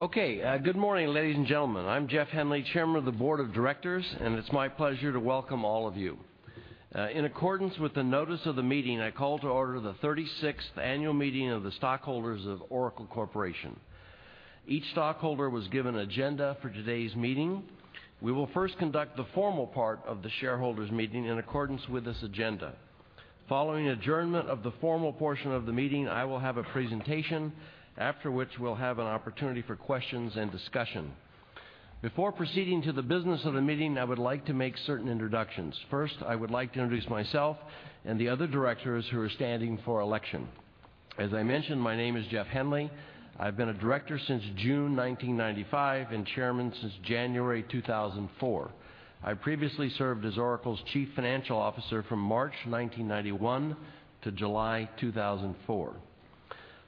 Okay. Good morning, ladies and gentlemen. I'm Jeff Henley, Chairman of the Board of Directors, and it's my pleasure to welcome all of you. In accordance with the notice of the meeting, I call to order the 36th annual meeting of the stockholders of Oracle Corporation. Each stockholder was given an agenda for today's meeting. We will first conduct the formal part of the shareholders meeting in accordance with this agenda. Following adjournment of the formal portion of the meeting, I will have a presentation, after which we'll have an opportunity for questions and discussion. Before proceeding to the business of the meeting, I would like to make certain introductions. First, I would like to introduce myself and the other directors who are standing for election. As I mentioned, my name is Jeff Henley. I've been a director since June 1995 and Chairman since January 2004. I previously served as Oracle's Chief Financial Officer from March 1991 to July 2004.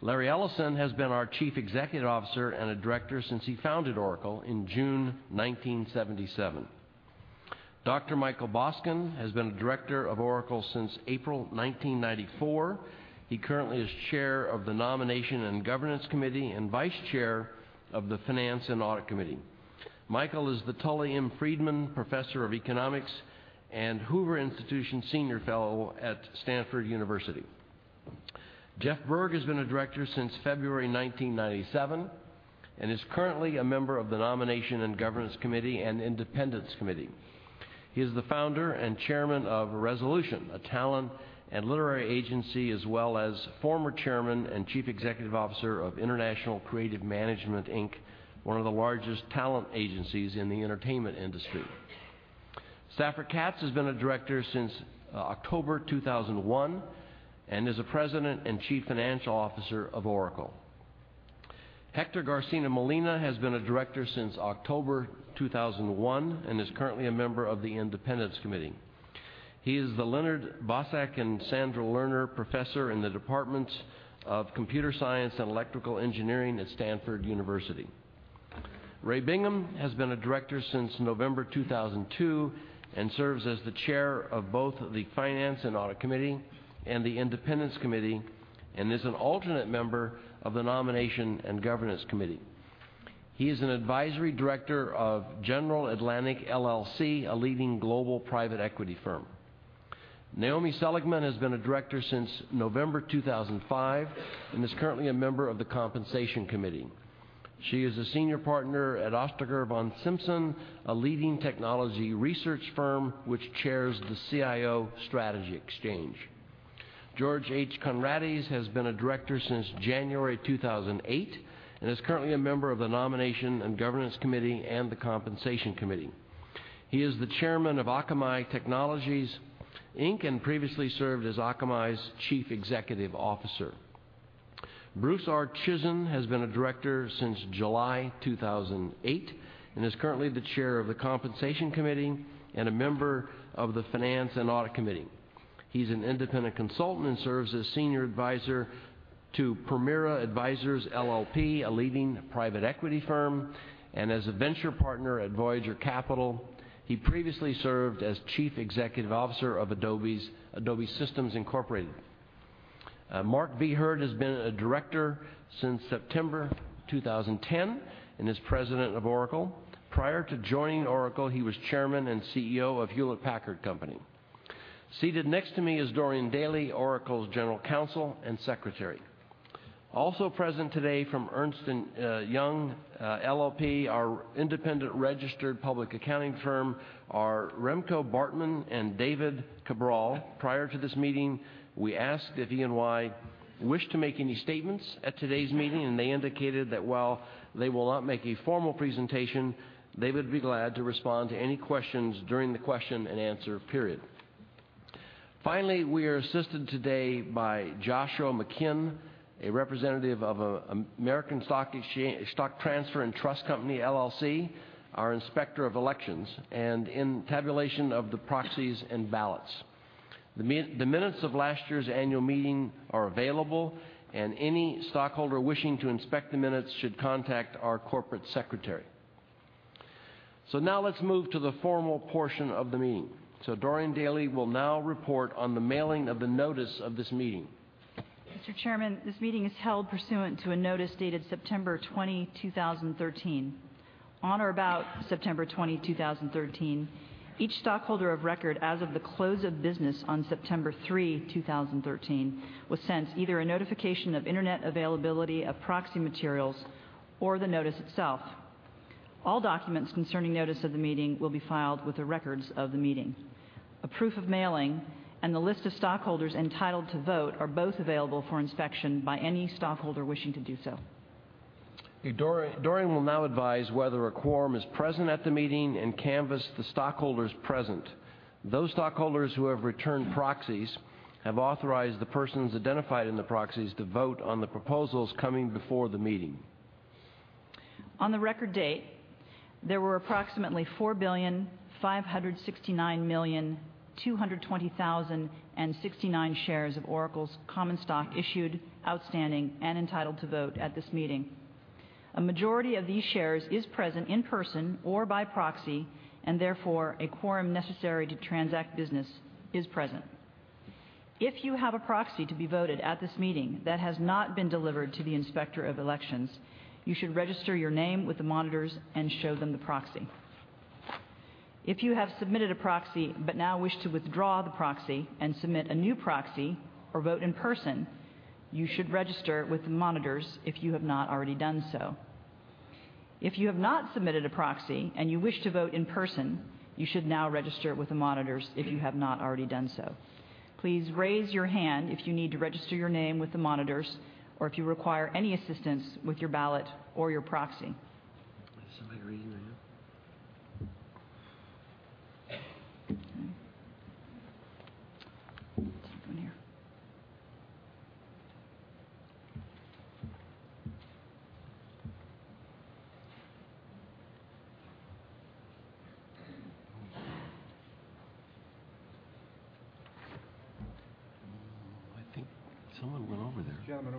Larry Ellison has been our Chief Executive Officer and a director since he founded Oracle in June 1977. Dr. Michael Boskin has been a director of Oracle since April 1994. He currently is Chair of the Nomination and Governance Committee and Vice Chair of the Finance and Audit Committee. Michael is the Tully M. Friedman Professor of Economics and Hoover Institution Senior Fellow at Stanford University. Jeff Berg has been a director since February 1997 and is currently a member of the Nomination and Governance Committee and Independence Committee. He is the founder and Chairman of Resolution, a talent and literary agency, as well as former Chairman and Chief Executive Officer of International Creative Management, Inc., one of the largest talent agencies in the entertainment industry. Safra Catz has been a director since October 2001 and is the President and Chief Financial Officer of Oracle. Hector Garcia-Molina has been a director since October 2001 and is currently a member of the Independence Committee. He is the Leonard Bosack and Sandra Lerner Professor in the Department of Computer Science and Electrical Engineering at Stanford University. Ray Bingham has been a director since November 2002 and serves as the Chair of both the Finance and Audit Committee and the Independence Committee and is an alternate member of the Nomination and Governance Committee. He is an advisory director of General Atlantic LLC, a leading global private equity firm. Naomi Seligman has been a director since November 2005 and is currently a member of the Compensation Committee. She is a Senior Partner at Ostriker von Simson, a leading technology research firm which chairs the CIO Strategy Exchange. George H. Conrades has been a director since January 2008 and is currently a member of the Nomination and Governance Committee and the Compensation Committee. He is the Chairman of Akamai Technologies, Inc. and previously served as Akamai's Chief Executive Officer. Bruce R. Chizen has been a director since July 2008 and is currently the Chair of the Compensation Committee and a member of the Finance and Audit Committee. He's an independent consultant and serves as Senior Advisor to Permira Advisers LLP, a leading private equity firm, and as a Venture Partner at Voyager Capital. He previously served as Chief Executive Officer of Adobe Systems Incorporated. Mark V. Hurd has been a director since September 2010 and is President of Oracle. Prior to joining Oracle, he was Chairman and CEO of Hewlett-Packard Company. Seated next to me is Dorian Daley, Oracle's General Counsel and Secretary. Also present today from Ernst & Young LLP, our independent registered public accounting firm, are Remco Bartman and David Cabral. Prior to this meeting, we asked if E&Y wished to make any statements at today's meeting, and they indicated that while they will not make a formal presentation, they would be glad to respond to any questions during the question and answer period. Finally, we are assisted today by Joshua McKinn, a representative of American Stock Transfer and Trust Company LLC, our Inspector of Elections, and in tabulation of the proxies and ballots. The minutes of last year's annual meeting are available, and any stockholder wishing to inspect the minutes should contact our corporate secretary. Now let's move to the formal portion of the meeting. Dorian Daley will now report on the mailing of the notice of this meeting. Mr. Chairman, this meeting is held pursuant to a notice dated September 20, 2013. On or about September 20, 2013, each stockholder of record as of the close of business on September 3, 2013, was sent either a notification of internet availability of proxy materials or the notice itself. All documents concerning notice of the meeting will be filed with the records of the meeting. A proof of mailing and the list of stockholders entitled to vote are both available for inspection by any stockholder wishing to do so. Dorian will now advise whether a quorum is present at the meeting and canvass the stockholders present. Those stockholders who have returned proxies have authorized the persons identified in the proxies to vote on the proposals coming before the meeting. On the record date, there were approximately 4,569,220,069 shares of Oracle's common stock issued, outstanding, and entitled to vote at this meeting. A majority of these shares is present in person or by proxy, and therefore, a quorum necessary to transact business is present. If you have a proxy to be voted at this meeting that has not been delivered to the Inspector of Elections, you should register your name with the monitors and show them the proxy. If you have submitted a proxy but now wish to withdraw the proxy and submit a new proxy or vote in person, you should register with the monitors if you have not already done so. If you have not submitted a proxy and you wish to vote in person, you should now register with the monitors if you have not already done so. Please raise your hand if you need to register your name with the monitors or if you require any assistance with your ballot or your proxy. Is somebody raising their hand? Okay. Someone here. I think someone went over there. Gentleman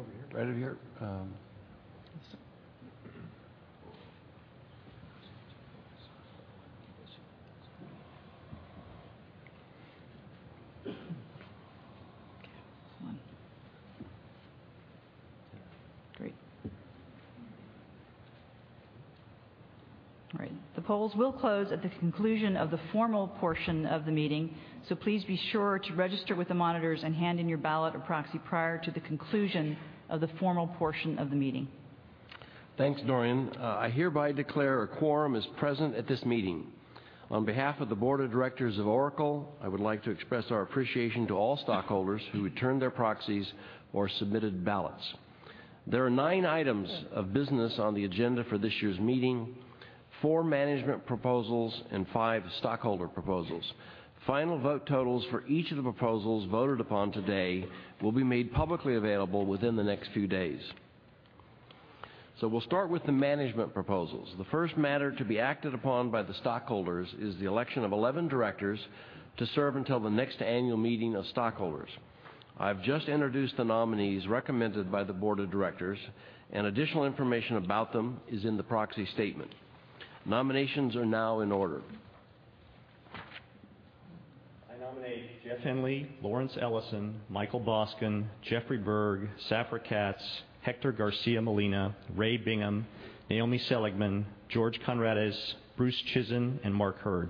over here. Right here. Yes. Okay, one. Great. All right. The polls will close at the conclusion of the formal portion of the meeting. Please be sure to register with the monitors and hand in your ballot or proxy prior to the conclusion of the formal portion of the meeting. Thanks, Dorian. I hereby declare a quorum is present at this meeting. On behalf of the Board of Directors of Oracle, I would like to express our appreciation to all stockholders who returned their proxies or submitted ballots. There are nine items of business on the agenda for this year's meeting, four management proposals, and five stockholder proposals. Final vote totals for each of the proposals voted upon today will be made publicly available within the next few days. We'll start with the management proposals. The first matter to be acted upon by the stockholders is the election of 11 directors to serve until the next annual meeting of stockholders. I've just introduced the nominees recommended by the Board of Directors, and additional information about them is in the proxy statement. Nominations are now in order. I nominate Jeff Henley, Lawrence Ellison, Michael Boskin, Jeffrey Berg, Safra Catz, Hector Garcia-Molina, Ray Bingham, Naomi Seligman, George Conrades, Bruce Chizen, and Mark Hurd.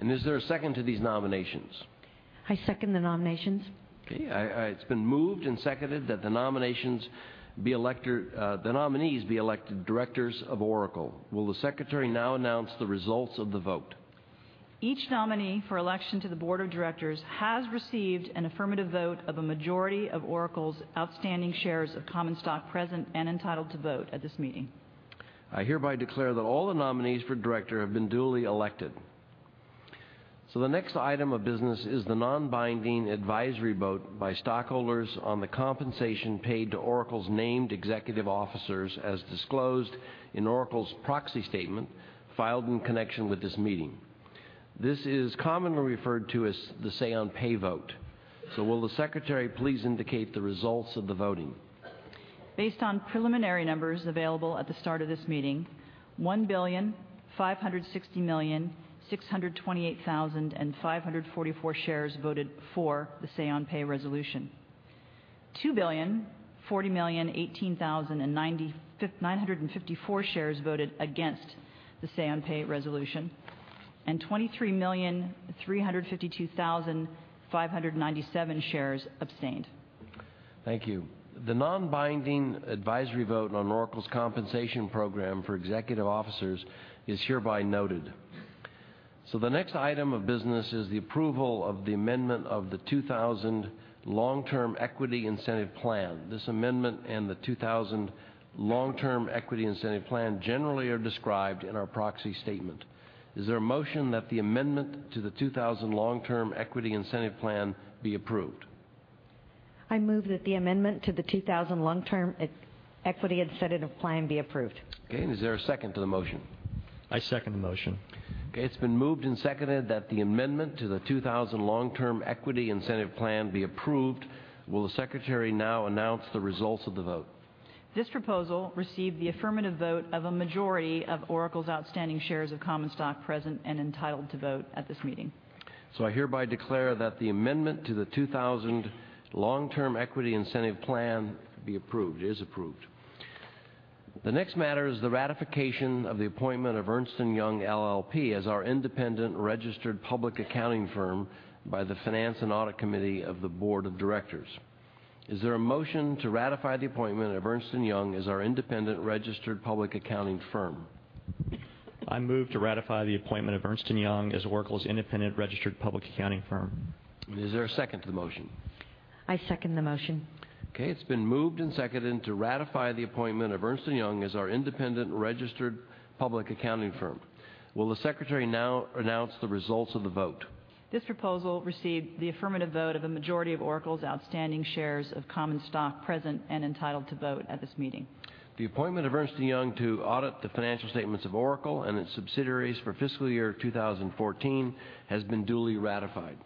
Is there a second to these nominations? I second the nominations. Okay. It's been moved and seconded that the nominees be elected directors of Oracle. Will the secretary now announce the results of the vote? Each nominee for election to the board of directors has received an affirmative vote of a majority of Oracle's outstanding shares of common stock present and entitled to vote at this meeting. I hereby declare that all the nominees for director have been duly elected. The next item of business is the non-binding advisory vote by stockholders on the compensation paid to Oracle's named executive officers as disclosed in Oracle's proxy statement filed in connection with this meeting. This is commonly referred to as the say on pay vote. Will the secretary please indicate the results of the voting? Based on preliminary numbers available at the start of this meeting, 1,560,628,544 shares voted for the say on pay resolution. 2,040,018,954 shares voted against the say on pay resolution, and 23,352,597 shares abstained. Thank you. The non-binding advisory vote on Oracle's compensation program for executive officers is hereby noted. The next item of business is the approval of the amendment of the 2000 Long-Term Equity Incentive Plan. This amendment and the 2000 Long-Term Equity Incentive Plan generally are described in our proxy statement. Is there a motion that the amendment to the 2000 Long-Term Equity Incentive Plan be approved? I move that the amendment to the 2000 Long-Term Equity Incentive Plan be approved. Okay, is there a second to the motion? I second the motion. Okay, it's been moved and seconded that the amendment to the 2000 Long-Term Equity Incentive Plan be approved. Will the secretary now announce the results of the vote? This proposal received the affirmative vote of a majority of Oracle's outstanding shares of common stock present and entitled to vote at this meeting. I hereby declare that the amendment to the 2000 Long-Term Equity Incentive Plan is approved. The next matter is the ratification of the appointment of Ernst & Young LLP as our independent registered public accounting firm by the Finance and Audit Committee of the board of directors. Is there a motion to ratify the appointment of Ernst & Young as our independent registered public accounting firm? I move to ratify the appointment of Ernst & Young as Oracle's independent registered public accounting firm. Is there a second to the motion? I second the motion. It's been moved and seconded to ratify the appointment of Ernst & Young as our independent registered public accounting firm. Will the secretary now announce the results of the vote? This proposal received the affirmative vote of a majority of Oracle's outstanding shares of common stock present and entitled to vote at this meeting. The appointment of Ernst & Young to audit the financial statements of Oracle and its subsidiaries for fiscal year 2014 has been duly ratified.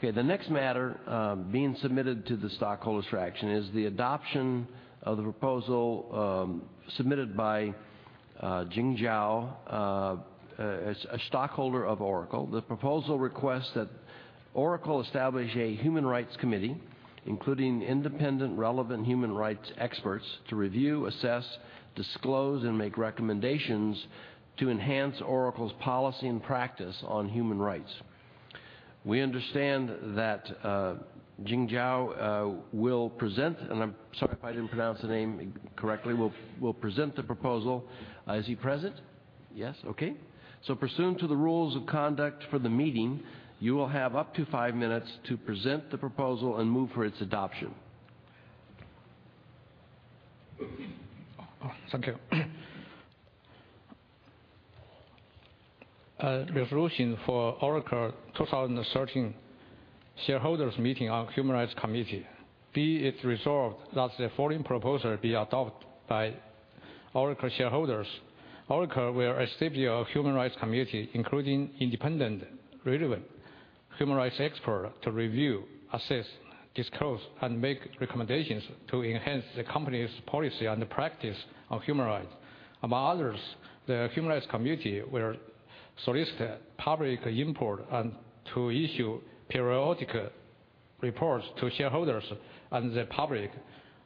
The next matter being submitted to the stockholders for action is the adoption of the proposal submitted by Jing Zhao, a stockholder of Oracle. The proposal requests that Oracle establish a human rights committee, including independent relevant human rights experts to review, assess, disclose, and make recommendations to enhance Oracle's policy and practice on human rights. We understand that Jing Zhao will present, and I'm sorry if I didn't pronounce the name correctly, will present the proposal. Is he present? Yes, okay. Pursuant to the rules of conduct for the meeting, you will have up to five minutes to present the proposal and move for its adoption. Thank you. A resolution for Oracle 2013 shareholders meeting on human rights committee. Be it resolved that the following proposal be adopted by Oracle shareholders. Oracle will establish a human rights committee, including independent relevant human rights expert to review, assess, disclose, and make recommendations to enhance the company's policy and the practice on human rights. Among others, the human rights committee will solicit public input and to issue periodic reports to shareholders and the public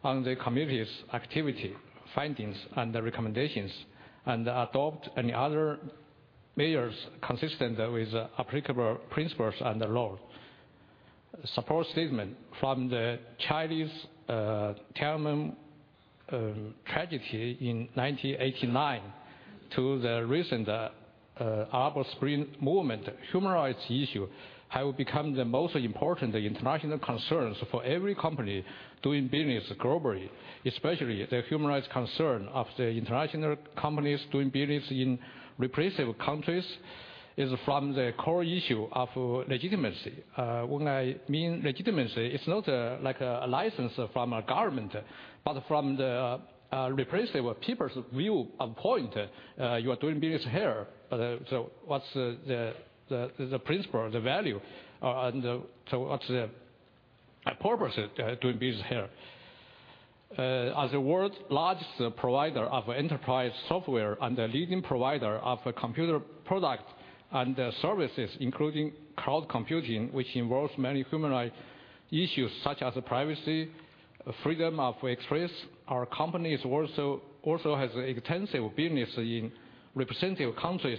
on the committee's activity, findings, and the recommendations, and adopt any other measures consistent with applicable principles and the law. Support statement. From the Chinese Tiananmen tragedy in 1989 to the recent Arab Spring movement, human rights issue have become the most important international concerns for every company doing business globally. Especially the human rights concern of the international companies doing business in repressive countries is from the core issue of legitimacy. When I mean legitimacy, it's not like a license from a government, but from the repressable people's view of point, you are doing business here, what's the principle or the value? What's the purpose doing business here? As the world's largest provider of enterprise software and the leading provider of computer product and services, including cloud computing, which involves many human rights issues such as privacy, freedom of express, our company also has extensive business in repressive countries,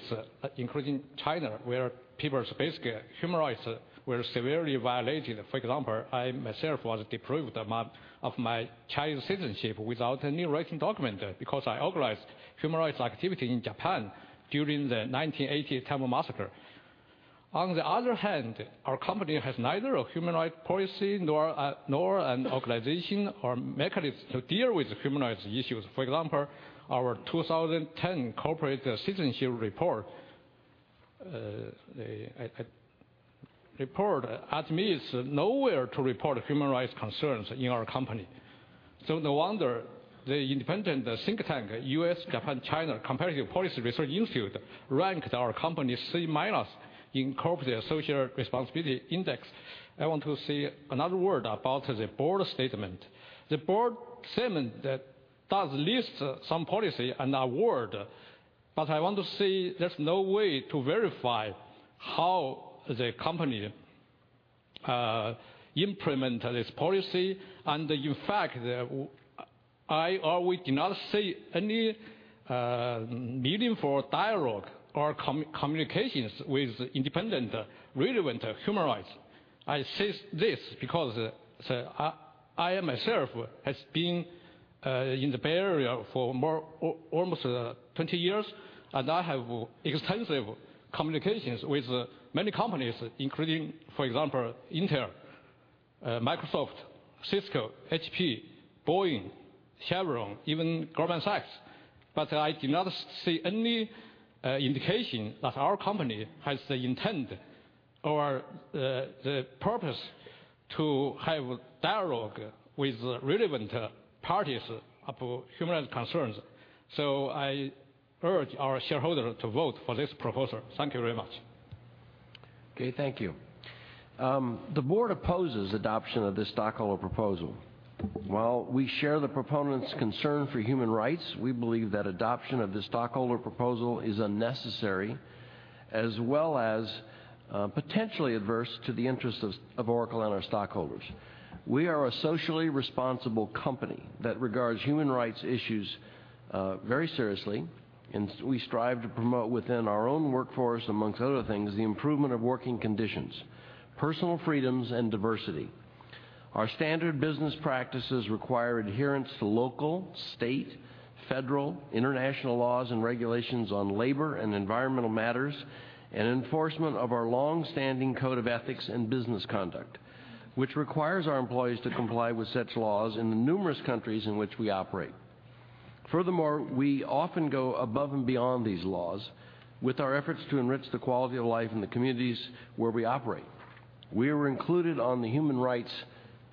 including China, where people's basic human rights were severely violated. For example, I myself was deprived of my Chinese citizenship without any writing document because I organized human rights activity in Japan during the 1989 Tiananmen massacre. On the other hand, our company has neither a human rights policy nor an organization or mechanism to deal with human rights issues. For example, our 2010 corporate citizenship report admits nowhere to report human rights concerns in our company. No wonder the independent think tank, US-Japan-China Comparative Policy Research Institute ranked our company C minus in corporate social responsibility index. I want to say another word about the board statement. The board statement does list some policy and award, I want to say there's no way to verify how the company implement this policy, and in fact, I or we do not see any meaningful dialogue or communications with independent relevant human rights. I say this because I myself has been in the Bay Area for almost 20 years, and I have extensive communications with many companies, including, for example, Intel, Microsoft, Cisco, HP, Boeing, Chevron, even Goldman Sachs. I do not see any indication that our company has the intent or the purpose to have dialogue with relevant parties of human rights concerns. I urge our shareholder to vote for this proposal. Thank you very much. Okay, thank you. The board opposes adoption of this stockholder proposal. While we share the proponent's concern for human rights, we believe that adoption of this stockholder proposal is unnecessary as well as potentially adverse to the interests of Oracle and our stockholders. We are a socially responsible company that regards human rights issues very seriously, and we strive to promote within our own workforce, amongst other things, the improvement of working conditions, personal freedoms, and diversity. Our standard business practices require adherence to local, state, federal, international laws and regulations on labor and environmental matters, and enforcement of our longstanding code of ethics and business conduct, which requires our employees to comply with such laws in the numerous countries in which we operate. We often go above and beyond these laws with our efforts to enrich the quality of life in the communities where we operate. We were included on the Human Rights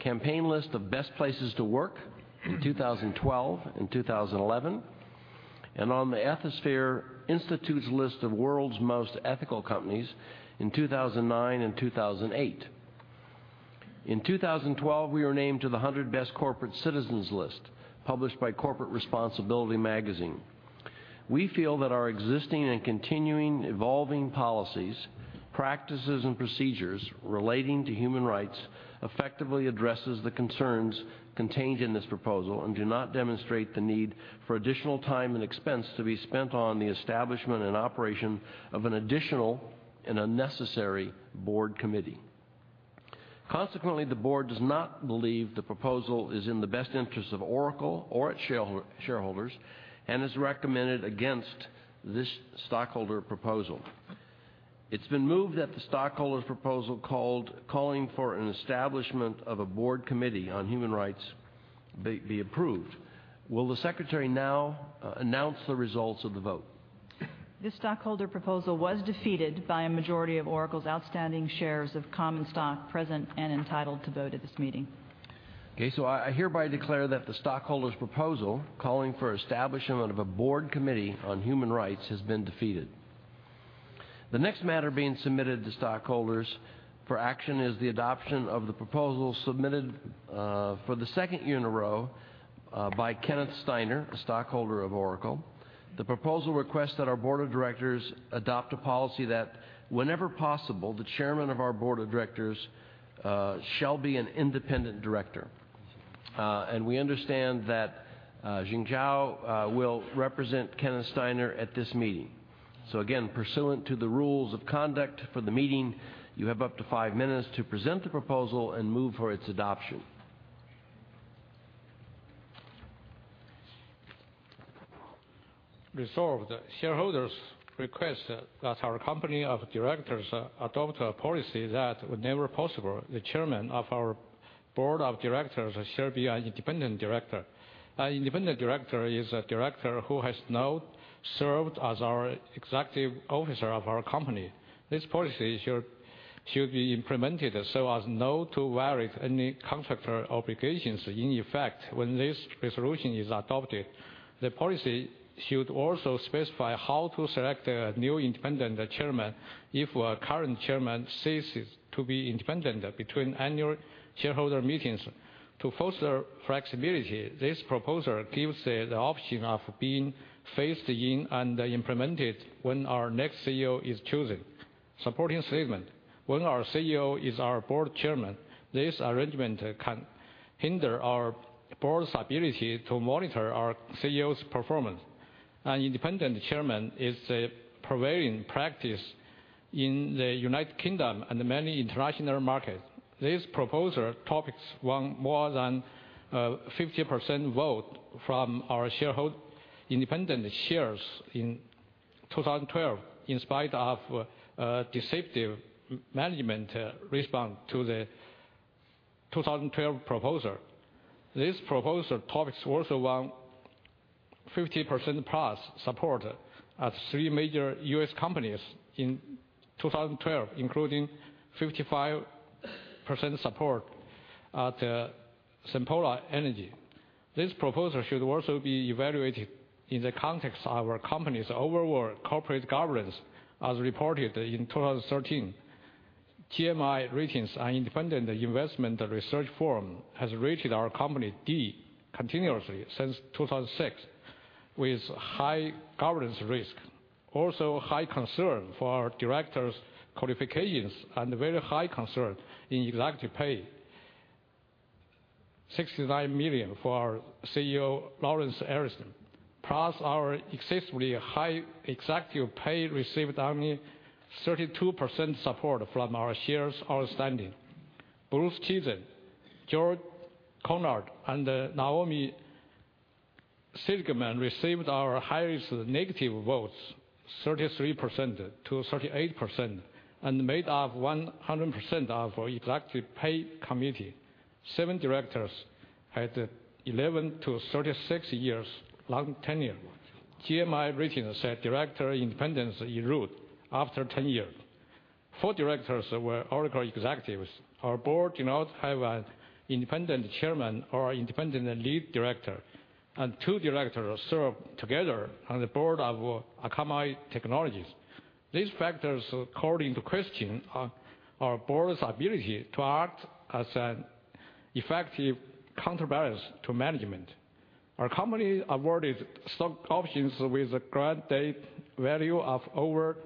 Campaign list of best places to work in 2012 and 2011, and on the Ethisphere Institute's list of world's most ethical companies in 2009 and 2008. In 2012, we were named to the 100 Best Corporate Citizens list, published by Corporate Responsibility Magazine. We feel that our existing and continuing evolving policies, practices, and procedures relating to human rights effectively addresses the concerns contained in this proposal and do not demonstrate the need for additional time and expense to be spent on the establishment and operation of an additional and unnecessary board committee. The board does not believe the proposal is in the best interest of Oracle or its shareholders and has recommended against this stockholder proposal. It's been moved that the stockholder's proposal calling for an establishment of a board committee on human rights be approved. Will the secretary now announce the results of the vote? This stockholder proposal was defeated by a majority of Oracle's outstanding shares of common stock present and entitled to vote at this meeting. Okay. I hereby declare that the stockholder's proposal calling for establishment of a board committee on human rights has been defeated. The next matter being submitted to stockholders for action is the adoption of the proposal submitted for the second year in a row by Kenneth Steiner, a stockholder of Oracle. The proposal requests that our board of directors adopt a policy that whenever possible, the chairman of our board of directors shall be an independent director. We understand that Jing Zhao will represent Kenneth Steiner at this meeting. Again, pursuant to the rules of conduct for the meeting, you have up to five minutes to present the proposal and move for its adoption. Resolved, shareholders request that our company of directors adopt a policy that whenever possible, the chairman of our board of directors shall be an independent director. An independent director is a director who has not served as our executive officer of our company. This policy should be implemented so as not to violate any contractual obligations in effect when this resolution is adopted. The policy should also specify how to select a new independent chairman if a current chairman ceases to be independent between annual shareholder meetings. To foster flexibility, this proposal gives the option of being phased in and implemented when our next CEO is chosen. Supporting statement. When our CEO is our board chairman, this arrangement can hinder our board's ability to monitor our CEO's performance. An independent chairman is a prevailing practice in the United Kingdom and many international markets. This proposal topics won more than 50% vote from our independent shares in 2012, in spite of a deceptive management response to the 2012 proposal. This proposal topics also won 50% plus support at three major U.S. companies in 2012, including 55% support at Sempra Energy. This proposal should also be evaluated in the context of our company's overall corporate governance as reported in 2013. GMI Ratings, an independent investment research firm, has rated our company D continuously since 2006, with high governance risk, also high concern for our directors' qualifications, and very high concern in executive pay. $69 million for our CEO, Lawrence Ellison, plus our excessively high executive pay received only 32% support from our shares outstanding. Bruce Chizen, George Conrades, and Naomi Seligman received our highest negative votes, 33%-38%, and made up 100% of our executive pay committee. Seven directors had 11-36 years long tenure. GMI Ratings said director independence erode after 10 years. Four directors were Oracle executives. Our board do not have an independent chairman or independent lead director, and two directors serve together on the board of Akamai Technologies. These factors call into question our board's ability to act as an effective counterbalance to management. Our company awarded stock options with a grant date value of over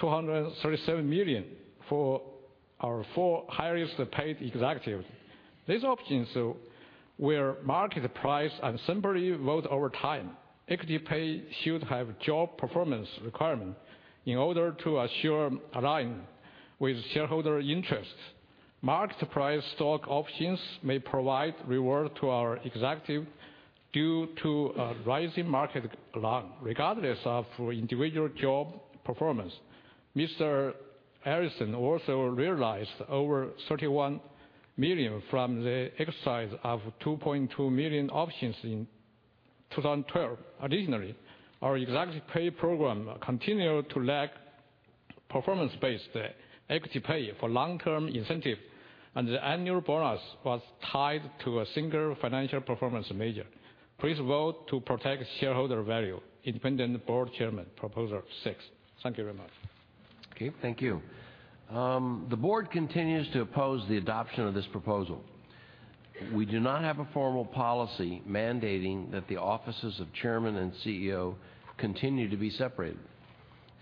$237 million for our four highest-paid executives. These options were market price and simply vest over time. Equity pay should have job performance requirement in order to assure align with shareholder interests. Market price stock options may provide reward to our executive due to a rising market alone, regardless of individual job performance. Mr. Ellison also realized over $31 million from the exercise of 2.2 million options in 2012. Additionally, our executive pay program continued to lack performance-based equity pay for long-term incentive, and the annual bonus was tied to a single financial performance measure. Please vote to protect shareholder value. Independent board chairman, proposal 6. Thank you very much. Okay, thank you. The Board continues to oppose the adoption of this proposal. We do not have a formal policy mandating that the offices of Chairman and CEO continue to be separated.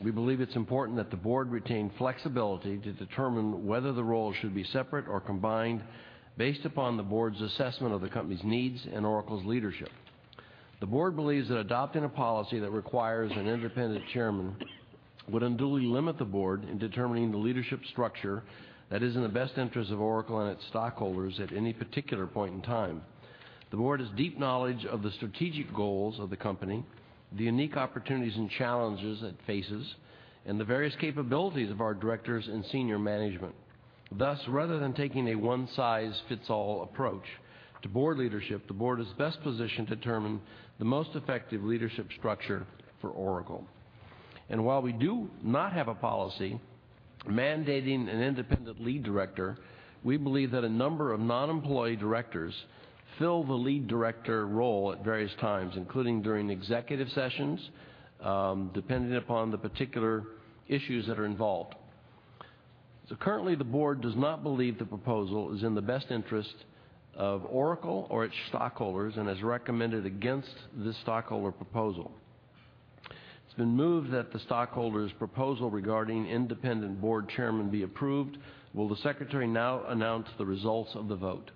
We believe it's important that the Board retain flexibility to determine whether the role should be separate or combined based upon the Board's assessment of the company's needs and Oracle's leadership. The Board believes that adopting a policy that requires an independent Chairman would unduly limit the Board in determining the leadership structure that is in the best interest of Oracle and its stockholders at any particular point in time. The Board has deep knowledge of the strategic goals of the company, the unique opportunities and challenges it faces, and the various capabilities of our directors and senior management. Thus, rather than taking a one size fits all approach to Board leadership, the Board is best positioned to determine the most effective leadership structure for Oracle. While we do not have a policy mandating an independent Lead Director, we believe that a number of non-employee directors fill the Lead Director role at various times, including during executive sessions, depending upon the particular issues that are involved. Currently, the Board does not believe the proposal is in the best interest of Oracle or its stockholders and has recommended against this stockholder proposal. It's been moved that the stockholders' proposal regarding independent Board Chairman be approved. Will the Secretary now announce the results of the vote?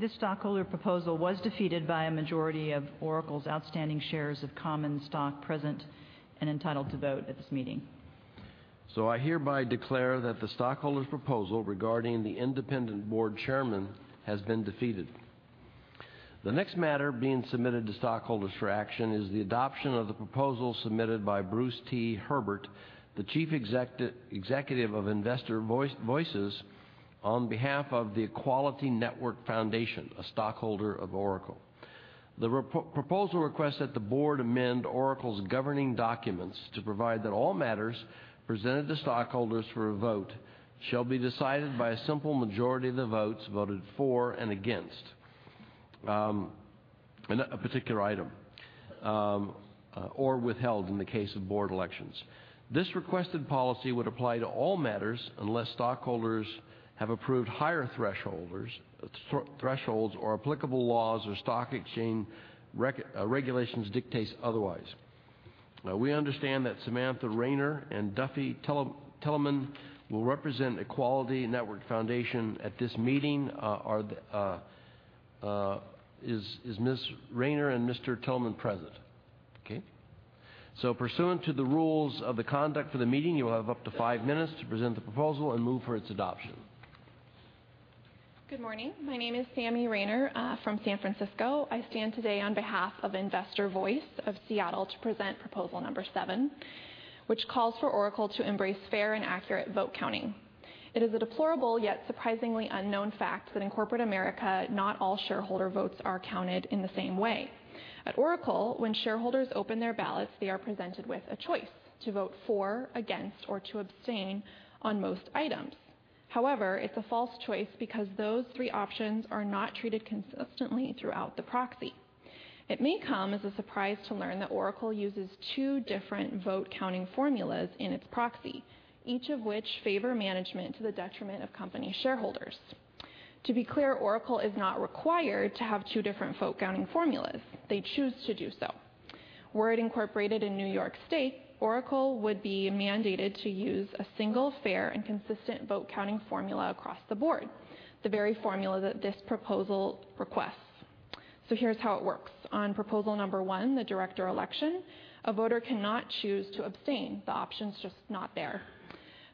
This stockholder proposal was defeated by a majority of Oracle's outstanding shares of common stock present and entitled to vote at this meeting. I hereby declare that the stockholders' proposal regarding the independent board chairman has been defeated. The next matter being submitted to stockholders for action is the adoption of the proposal submitted by Bruce T. Herbert, the chief executive of Investor Voice on behalf of the Equality Network Foundation, a stockholder of Oracle. The proposal requests that the board amend Oracle's governing documents to provide that all matters presented to stockholders for a vote shall be decided by a simple majority of the votes voted for and against a particular item, or withheld in the case of board elections. This requested policy would apply to all matters unless stockholders have approved higher thresholds, or applicable laws or stock exchange regulations dictate otherwise. We understand that Samantha Rayner and Duffy Tillman will represent Equality Network Foundation at this meeting. Is Ms. Rayner and Mr. Tillman present? Okay. Pursuant to the rules of the conduct for the meeting, you will have up to five minutes to present the proposal and move for its adoption. Good morning. My name is Sammy Rayner from San Francisco. I stand today on behalf of Investor Voice of Seattle to present proposal number 7, which calls for Oracle to embrace fair and accurate vote counting. It is a deplorable, yet surprisingly unknown fact that in corporate America, not all shareholder votes are counted in the same way. At Oracle, when shareholders open their ballots, they are presented with a choice to vote for, against, or to abstain on most items. However, it's a false choice because those three options are not treated consistently throughout the proxy. It may come as a surprise to learn that Oracle uses two different vote counting formulas in its proxy, each of which favor management to the detriment of company shareholders. To be clear, Oracle is not required to have two different vote counting formulas. They choose to do so. Were it incorporated in New York State, Oracle would be mandated to use a single fair and consistent vote counting formula across the board, the very formula that this proposal requests. Here's how it works. On proposal number 1, the director election, a voter cannot choose to abstain. The option's just not there.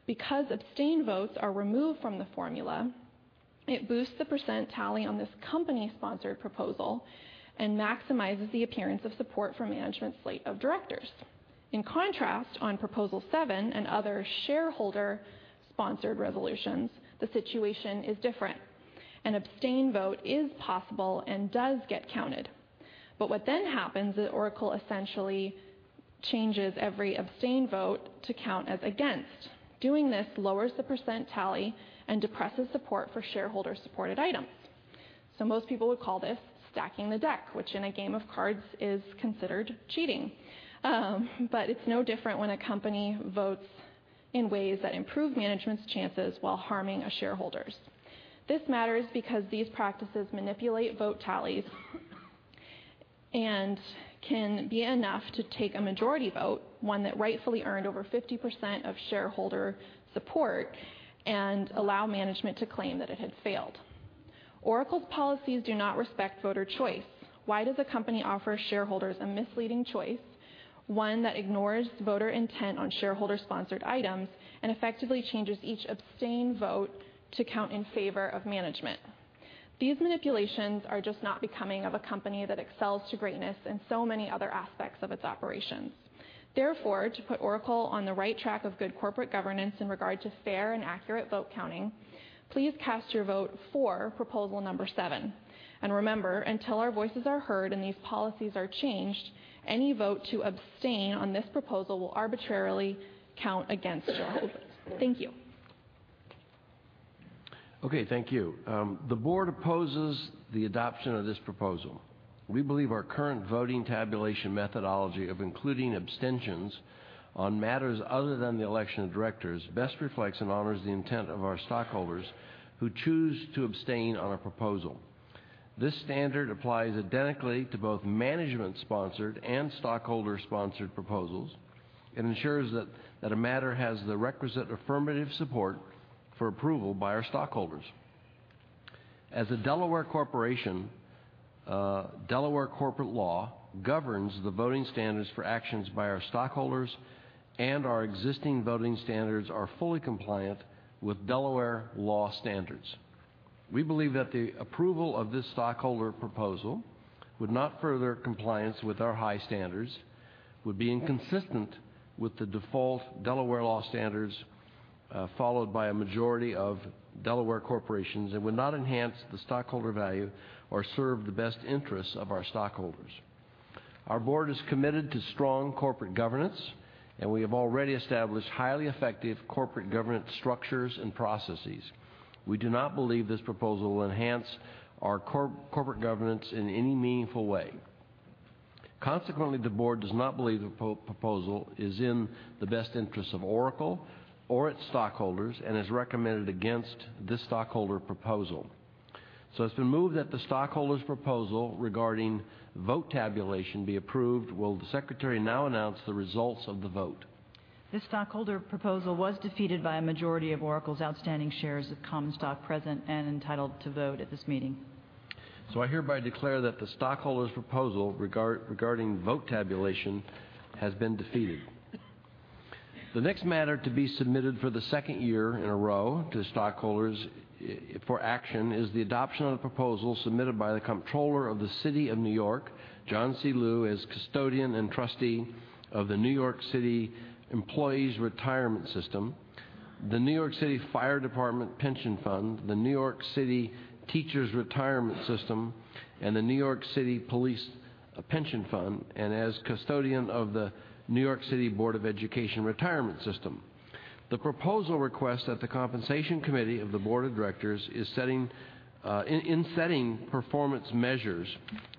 Because abstain votes are removed from the formula, it boosts the % tally on this company-sponsored proposal and maximizes the appearance of support for management's slate of directors. In contrast, on proposal 7 and other shareholder-sponsored resolutions, the situation is different. An abstain vote is possible and does get counted. What then happens is Oracle essentially changes every abstain vote to count as against. Doing this lowers the % tally and depresses support for shareholder-supported items. Most people would call this stacking the deck, which in a game of cards is considered cheating. It's no different when a company votes in ways that improve management's chances while harming shareholders. This matters because these practices manipulate vote tallies and can be enough to take a majority vote, one that rightfully earned over 50% of shareholder support, and allow management to claim that it had failed. Oracle's policies do not respect voter choice. Why does a company offer shareholders a misleading choice, one that ignores voter intent on shareholder-sponsored items and effectively changes each abstain vote to count in favor of management? These manipulations are just not becoming of a company that excels to greatness in so many other aspects of its operations. Therefore, to put Oracle on the right track of good corporate governance in regard to fair and accurate vote counting, please cast your vote for proposal number seven. Remember, until our voices are heard and these policies are changed, any vote to abstain on this proposal will arbitrarily count against shareholders. Thank you. Okay, thank you. The board opposes the adoption of this proposal. We believe our current voting tabulation methodology of including abstentions on matters other than the election of directors best reflects and honors the intent of our stockholders who choose to abstain on a proposal. This standard applies identically to both management-sponsored and stockholder-sponsored proposals and ensures that a matter has the requisite affirmative support for approval by our stockholders. As a Delaware corporation, Delaware corporate law governs the voting standards for actions by our stockholders, and our existing voting standards are fully compliant with Delaware law standards. We believe that the approval of this stockholder proposal would not further compliance with our high standards, would be inconsistent with the default Delaware law standards followed by a majority of Delaware corporations, and would not enhance the stockholder value or serve the best interests of our stockholders. Our board is committed to strong corporate governance, and we have already established highly effective corporate governance structures and processes. We do not believe this proposal will enhance our corporate governance in any meaningful way. Consequently, the board does not believe the proposal is in the best interest of Oracle or its stockholders and has recommended against this stockholder proposal. It's been moved that the stockholder's proposal regarding vote tabulation be approved. Will the secretary now announce the results of the vote? This stockholder proposal was defeated by a majority of Oracle's outstanding shares of common stock present and entitled to vote at this meeting. I hereby declare that the stockholder's proposal regarding vote tabulation has been defeated. The next matter to be submitted for the second year in a row to stockholders for action is the adoption of the proposal submitted by the Comptroller of the City of New York, John C. Liu, as custodian and trustee of the New York City Employees' Retirement System, the New York City Fire Department Pension Fund, the New York City Teachers' Retirement System, and the New York City Police Pension Fund, and as custodian of the New York City Board of Education Retirement System. The proposal requests that the compensation committee of the Board of Directors, in setting performance measures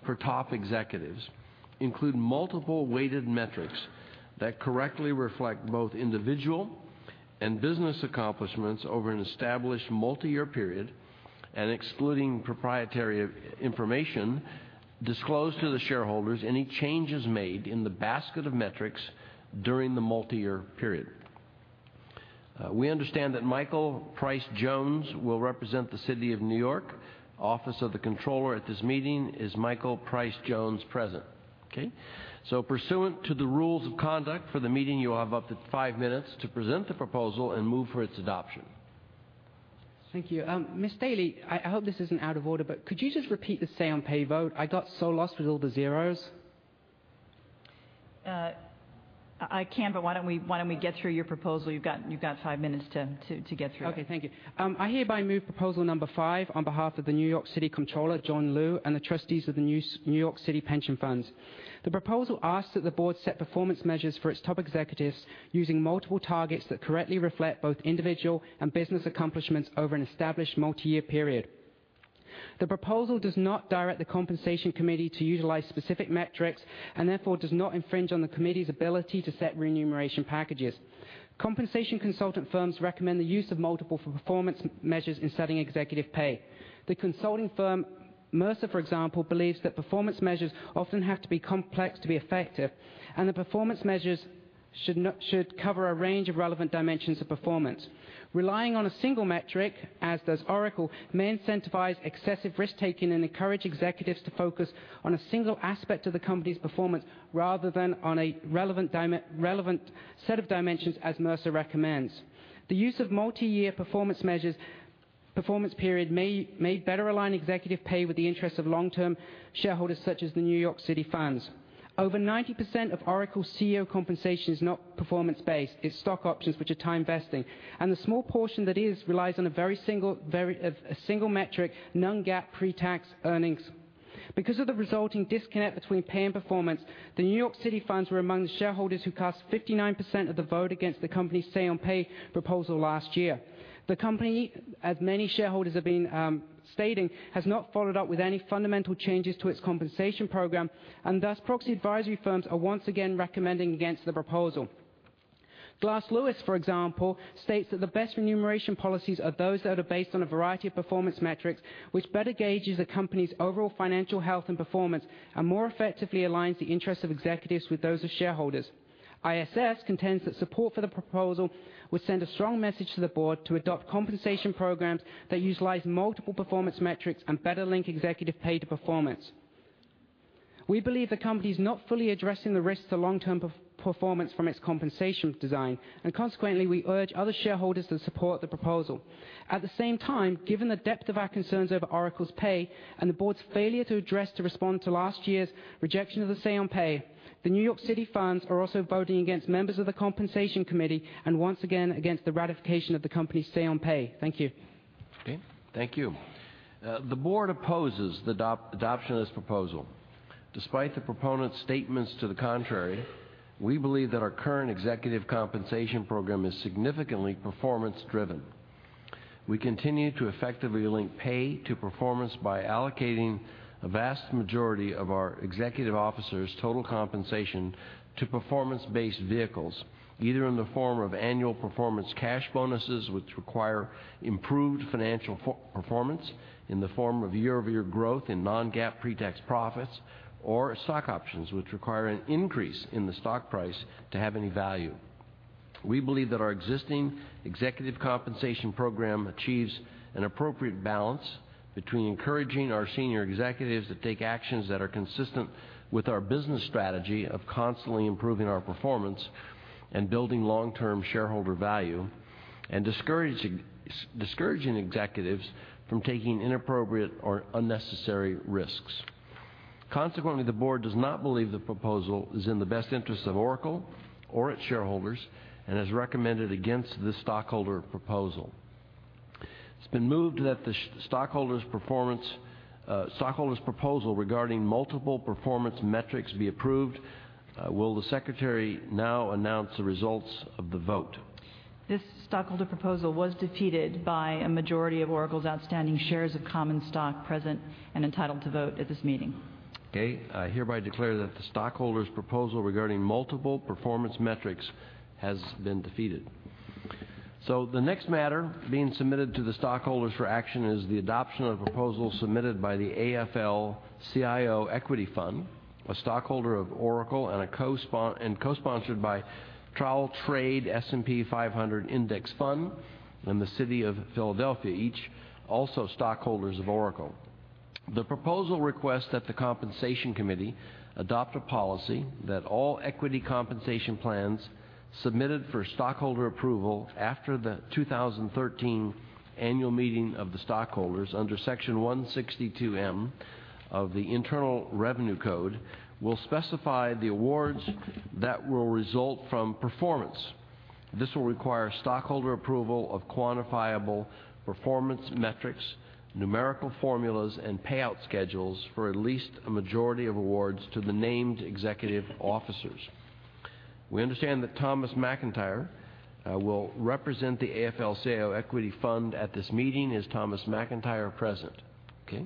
for top executives, include multiple weighted metrics that correctly reflect both individual and business accomplishments over an established multi-year period and, excluding proprietary information disclosed to the shareholders, any changes made in the basket of metrics during the multi-year period. We understand that Michael Price Jones will represent the City of New York Office of the Comptroller at this meeting. Is Michael Price Jones present? Okay. Pursuant to the rules of conduct for the meeting, you will have up to five minutes to present the proposal and move for its adoption. Thank you. Dorian Daley, I hope this isn't out of order, but could you just repeat the say-on-pay vote? I got so lost with all the zeros. I can. Why don't we get through your proposal? You've got five minutes to get through it. Okay, thank you. I hereby move proposal number five on behalf of the New York City Comptroller, John Liu, and the trustees of the New York City Pension Funds. The proposal asks that the board set performance measures for its top executives using multiple targets that correctly reflect both individual and business accomplishments over an established multi-year period. The proposal does not direct the compensation committee to utilize specific metrics and therefore does not infringe on the committee's ability to set remuneration packages. Compensation consultant firms recommend the use of multiple performance measures in setting executive pay. The consulting firm Mercer, for example, believes that performance measures often have to be complex to be effective, and the performance measures should cover a range of relevant dimensions of performance. Relying on a single metric, as does Oracle, may incentivize excessive risk-taking and encourage executives to focus on a single aspect of the company's performance rather than on a relevant set of dimensions, as Mercer recommends. The use of multi-year performance measures, performance period, may better align executive pay with the interests of long-term shareholders, such as the New York City funds. Over 90% of Oracle CEO compensation is not performance-based. It's stock options, which are time vesting. The small portion that is relies on a single metric, non-GAAP pre-tax earnings. Because of the resulting disconnect between pay and performance, the New York City funds were among the shareholders who cast 59% of the vote against the company's say-on-pay proposal last year. The company, as many shareholders have been stating, has not followed up with any fundamental changes to its compensation program. Thus proxy advisory firms are once again recommending against the proposal. Glass Lewis, for example, states that the best remuneration policies are those that are based on a variety of performance metrics, which better gauges a company's overall financial health and performance and more effectively aligns the interests of executives with those of shareholders. ISS contends that support for the proposal would send a strong message to the board to adopt compensation programs that utilize multiple performance metrics and better link executive pay to performance. We believe the company is not fully addressing the risks to long-term performance from its compensation design. Consequently, we urge other shareholders to support the proposal. At the same time, given the depth of our concerns over Oracle's pay and the board's failure to respond to last year's rejection of the say on pay, the New York City funds are also voting against members of the compensation committee and once again against the ratification of the company's say on pay. Thank you. Okay. Thank you. The board opposes the adoption of this proposal. Despite the proponents' statements to the contrary, we believe that our current executive compensation program is significantly performance-driven. We continue to effectively link pay to performance by allocating a vast majority of our executive officers' total compensation to performance-based vehicles, either in the form of annual performance cash bonuses, which require improved financial performance in the form of year-over-year growth in non-GAAP pretax profits, or stock options, which require an increase in the stock price to have any value. We believe that our existing executive compensation program achieves an appropriate balance between encouraging our senior executives to take actions that are consistent with our business strategy of constantly improving our performance and building long-term shareholder value, and discouraging executives from taking inappropriate or unnecessary risks. Consequently, the board does not believe the proposal is in the best interest of Oracle or its shareholders and has recommended against this stockholder proposal. It's been moved that the stockholders' proposal regarding multiple performance metrics be approved. Will the secretary now announce the results of the vote? This stockholder proposal was defeated by a majority of Oracle's outstanding shares of common stock present and entitled to vote at this meeting. Okay. I hereby declare that the stockholders' proposal regarding multiple performance metrics has been defeated. The next matter being submitted to the stockholders for action is the adoption of a proposal submitted by the AFL-CIO Equity Fund, a stockholder of Oracle, and co-sponsored by Trowel Trades S&P 500 Index Fund and the City of Philadelphia, each also stockholders of Oracle. The proposal requests that the Compensation Committee adopt a policy that all equity compensation plans submitted for stockholder approval after the 2013 annual meeting of the stockholders under Section 162(m) of the Internal Revenue Code will specify the awards that will result from performance. This will require stockholder approval of quantifiable performance metrics, numerical formulas, and payout schedules for at least a majority of awards to the named executive officers. We understand that Thomas McIntire will represent the AFL-CIO Equity Fund at this meeting. Is Thomas McIntire present? Okay.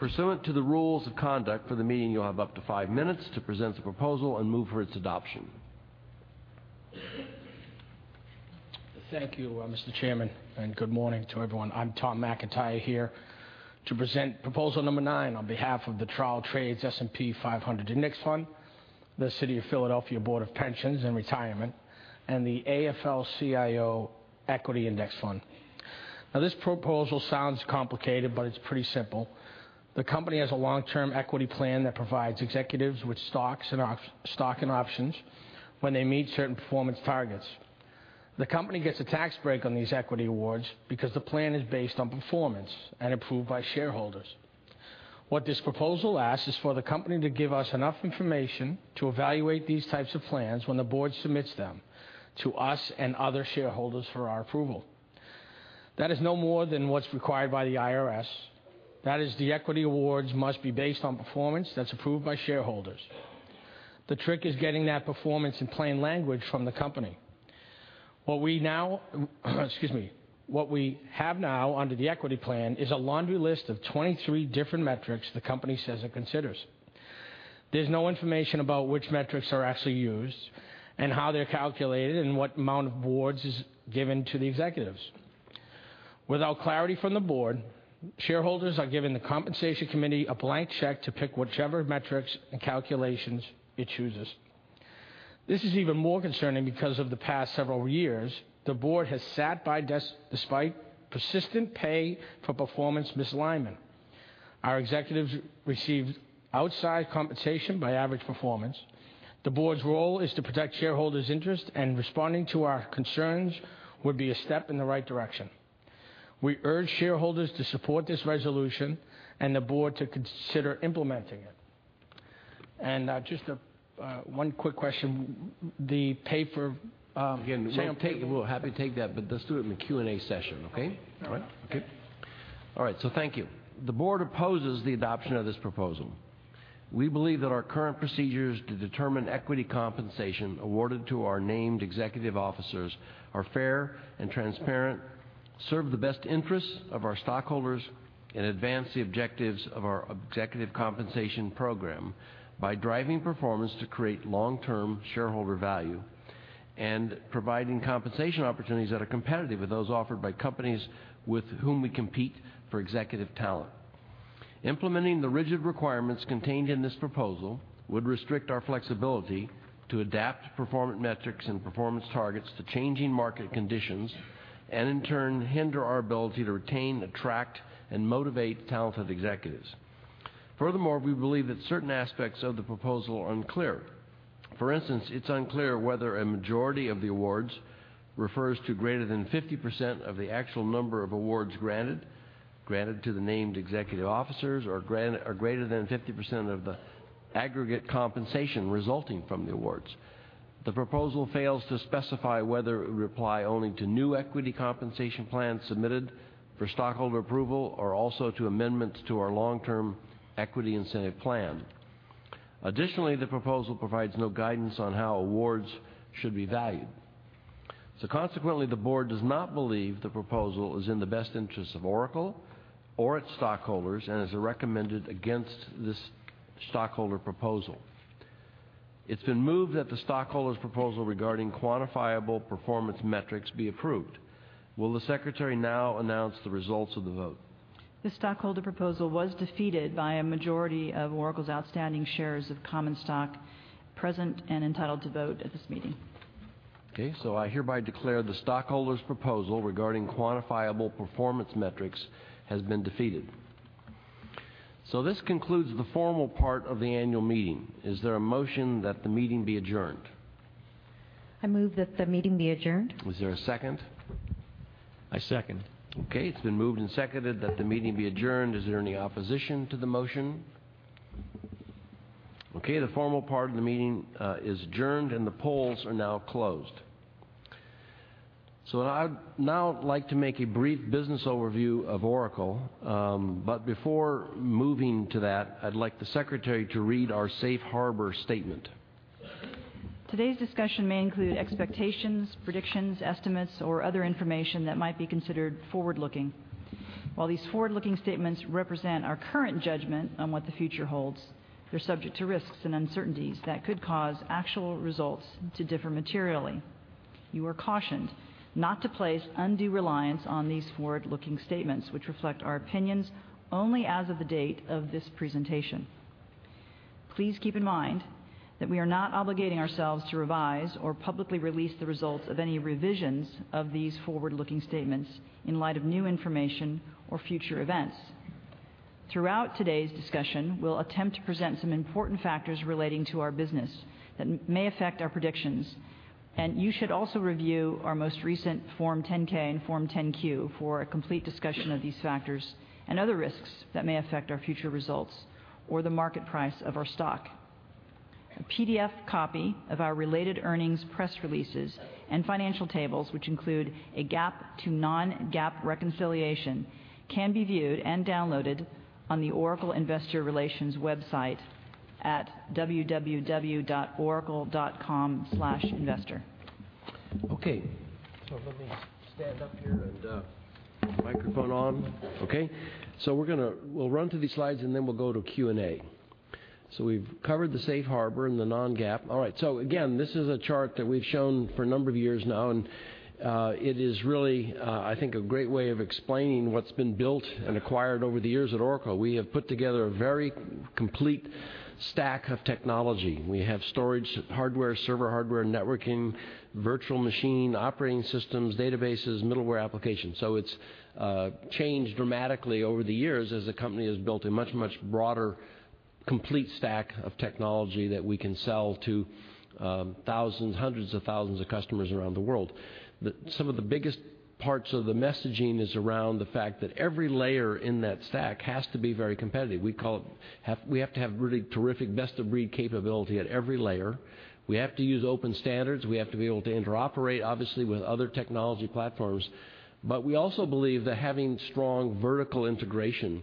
Pursuant to the rules of conduct for the meeting, you'll have up to five minutes to present the proposal and move for its adoption. Thank you, Mr. Chairman, and good morning to everyone. I'm Tom McIntire here to present proposal number nine on behalf of the Trowel Trades S&P 500 Index Fund, the City of Philadelphia Board of Pensions and Retirement, and the AFL-CIO Equity Index Fund. This proposal sounds complicated, but it's pretty simple. The company has a long-term equity plan that provides executives with stock and options when they meet certain performance targets. The company gets a tax break on these equity awards because the plan is based on performance and approved by shareholders. What this proposal asks is for the company to give us enough information to evaluate these types of plans when the board submits them to us and other shareholders for our approval. That is no more than what's required by the IRS. That is, the equity awards must be based on performance that's approved by shareholders. The trick is getting that performance in plain language from the company. What we have now under the equity plan is a laundry list of 23 different metrics the company says it considers. There's no information about which metrics are actually used and how they're calculated and what amount of awards is given to the executives. Without clarity from the board, shareholders are giving the Compensation Committee a blank check to pick whichever metrics and calculations it chooses. This is even more concerning because of the past several years, the board has sat by despite persistent pay for performance misalignment. Our executives received outsize compensation by average performance. The board's role is to protect shareholders' interest, responding to our concerns would be a step in the right direction. We urge shareholders to support this resolution and the board to consider implementing it. Just one quick question. The pay for. Again, we're happy to take that, but let's do it in the Q&A session, okay? All right. Okay. All right. Thank you. The board opposes the adoption of this proposal. We believe that our current procedures to determine equity compensation awarded to our named executive officers are fair and transparent, serve the best interests of our stockholders, and advance the objectives of our executive compensation program by driving performance to create long-term shareholder value and providing compensation opportunities that are competitive with those offered by companies with whom we compete for executive talent. Implementing the rigid requirements contained in this proposal would restrict our flexibility to adapt performance metrics and performance targets to changing market conditions and in turn hinder our ability to retain, attract, and motivate talented executives. Furthermore, we believe that certain aspects of the proposal are unclear. For instance, it's unclear whether a majority of the awards refers to greater than 50% of the actual number of awards granted to the named executive officers, or greater than 50% of the aggregate compensation resulting from the awards. The proposal fails to specify whether it would apply only to new equity compensation plans submitted for stockholder approval or also to amendments to our Long-Term Equity Incentive Plan. Additionally, the proposal provides no guidance on how awards should be valued. Consequently, the board does not believe the proposal is in the best interest of Oracle or its stockholders and has recommended against this stockholder proposal. It's been moved that the stockholder's proposal regarding quantifiable performance metrics be approved. Will the secretary now announce the results of the vote? The stockholder proposal was defeated by a majority of Oracle's outstanding shares of common stock present and entitled to vote at this meeting. Okay. I hereby declare the stockholder's proposal regarding quantifiable performance metrics has been defeated. This concludes the formal part of the annual meeting. Is there a motion that the meeting be adjourned? I move that the meeting be adjourned. Is there a second? I second. Okay. It's been moved and seconded that the meeting be adjourned. Is there any opposition to the motion? Okay. The formal part of the meeting is adjourned, and the polls are now closed. I'd now like to make a brief business overview of Oracle. Before moving to that, I'd like the secretary to read our safe harbor statement. Today's discussion may include expectations, predictions, estimates, or other information that might be considered forward-looking. While these forward-looking statements represent our current judgment on what the future holds, they're subject to risks and uncertainties that could cause actual results to differ materially. You are cautioned not to place undue reliance on these forward-looking statements, which reflect our opinions only as of the date of this presentation. Please keep in mind that we are not obligating ourselves to revise or publicly release the results of any revisions of these forward-looking statements in light of new information or future events. Throughout today's discussion, we'll attempt to present some important factors relating to our business that may affect our predictions. You should also review our most recent Form 10-K and Form 10-Q for a complete discussion of these factors and other risks that may affect our future results or the market price of our stock. A PDF copy of our related earnings, press releases, and financial tables, which include a GAAP to non-GAAP reconciliation, can be viewed and downloaded on the Oracle investor relations website at www.oracle.com/investor. Okay. Let me stand up here and put the microphone on. Okay. We'll run through these slides, and then we'll go to Q&A. We've covered the safe harbor and the non-GAAP. All right. Again, this is a chart that we've shown for a number of years now, and it is really I think a great way of explaining what's been built and acquired over the years at Oracle. We have put together a very complete stack of technology. We have storage hardware, server hardware, networking, virtual machine operating systems, databases, middleware applications. It's changed dramatically over the years as the company has built a much, much broader, complete stack of technology that we can sell to thousands, hundreds of thousands of customers around the world. Some of the biggest parts of the messaging is around the fact that every layer in that stack has to be very competitive. We have to have really terrific best-of-breed capability at every layer. We have to use open standards. We have to be able to interoperate, obviously, with other technology platforms. We also believe that having strong vertical integration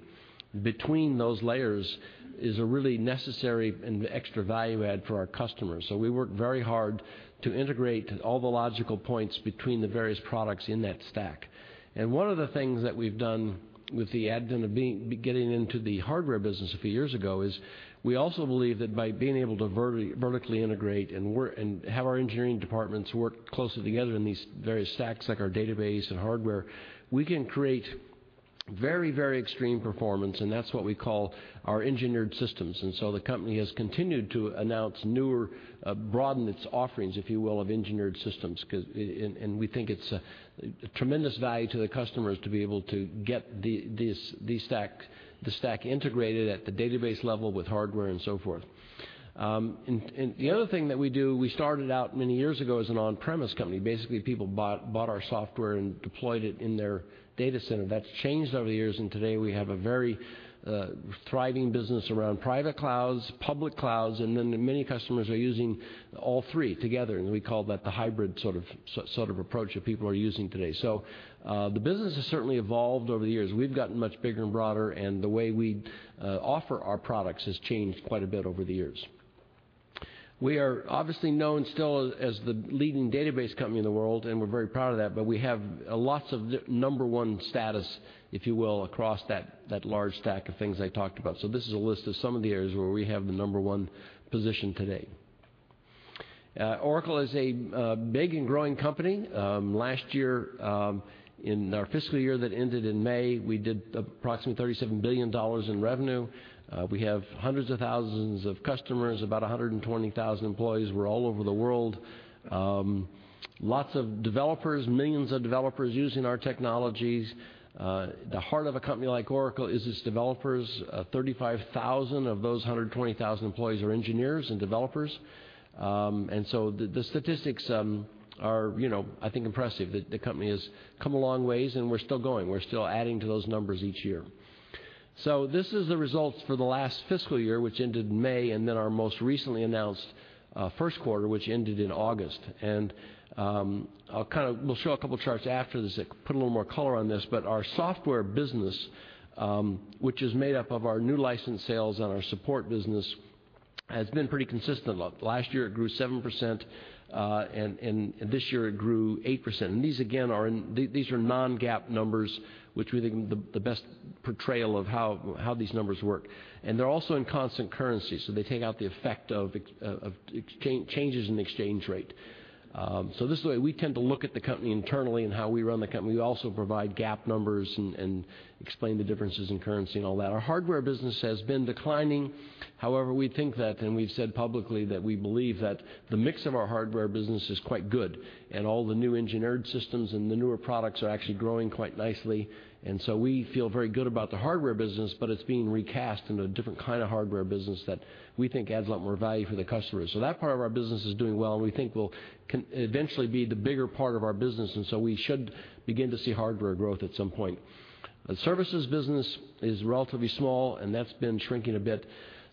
between those layers is a really necessary and extra value add for our customers. We work very hard to integrate all the logical points between the various products in that stack. One of the things that we've done with the advent of getting into the hardware business a few years ago is we also believe that by being able to vertically integrate and have our engineering departments work closely together in these various stacks, like our database and hardware, we can create very extreme performance, and that's what we call our engineered systems. The company has continued to broaden its offerings, if you will, of engineered systems. We think it's a tremendous value to the customers to be able to get the stack integrated at the database level with hardware and so forth. The other thing that we do, we started out many years ago as an on-premise company. Basically, people bought our software and deployed it in their data center. That's changed over the years, and today we have a very thriving business around private clouds, public clouds, and then many customers are using all three together, and we call that the hybrid sort of approach that people are using today. The business has certainly evolved over the years. We've gotten much bigger and broader, and the way we offer our products has changed quite a bit over the years. We are obviously known still as the leading database company in the world, and we're very proud of that, but we have lots of number one status, if you will, across that large stack of things I talked about. This is a list of some of the areas where we have the number one position today. Oracle is a big and growing company. Last year, in our fiscal year that ended in May, we did approximately $37 billion in revenue. We have hundreds of thousands of customers, about 120,000 employees. We're all over the world. Lots of developers, millions of developers using our technologies. The heart of a company like Oracle is its developers. 35,000 of those 120,000 employees are engineers and developers. The statistics are I think impressive. The company has come a long ways, and we're still going. We're still adding to those numbers each year. This is the results for the last fiscal year, which ended in May, and then our most recently announced first quarter, which ended in August. We'll show a couple charts after this that put a little more color on this, but our software business, which is made up of our new license sales and our support business, has been pretty consistent. Last year it grew 7%, and this year it grew 8%. These, again, are non-GAAP numbers, which we think the best portrayal of how these numbers work. They're also in constant currency, so they take out the effect of changes in exchange rate. This is the way we tend to look at the company internally and how we run the company. We also provide GAAP numbers and explain the differences in currency and all that. Our hardware business has been declining. However, we think that, and we've said publicly, that we believe that the mix of our hardware business is quite good, and all the new engineered systems and the newer products are actually growing quite nicely. We feel very good about the hardware business, but it's being recast in a different kind of hardware business that we think adds a lot more value for the customers. That part of our business is doing well, and we think will eventually be the bigger part of our business, and so we should begin to see hardware growth at some point. The services business is relatively small, and that's been shrinking a bit.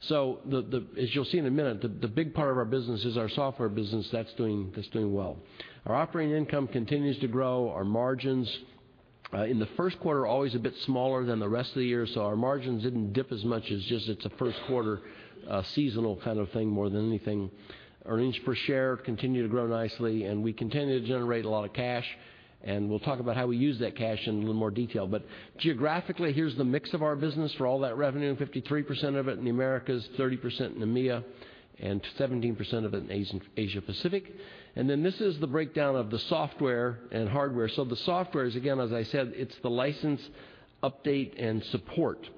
As you'll see in a minute, the big part of our business is our software business. That's doing well. Our operating income continues to grow. Our margins in the first quarter are always a bit smaller than the rest of the year, so our margins didn't dip as much. It's a first quarter seasonal kind of thing more than anything. Earnings per share continue to grow nicely, and we continue to generate a lot of cash, and we'll talk about how we use that cash in a little more detail. Geographically, here's the mix of our business for all that revenue, 53% of it in the Americas, 30% in EMEA, and 17% of it in Asia Pacific. This is the breakdown of the software and hardware. The software is, again, as I said, it's the license update and support,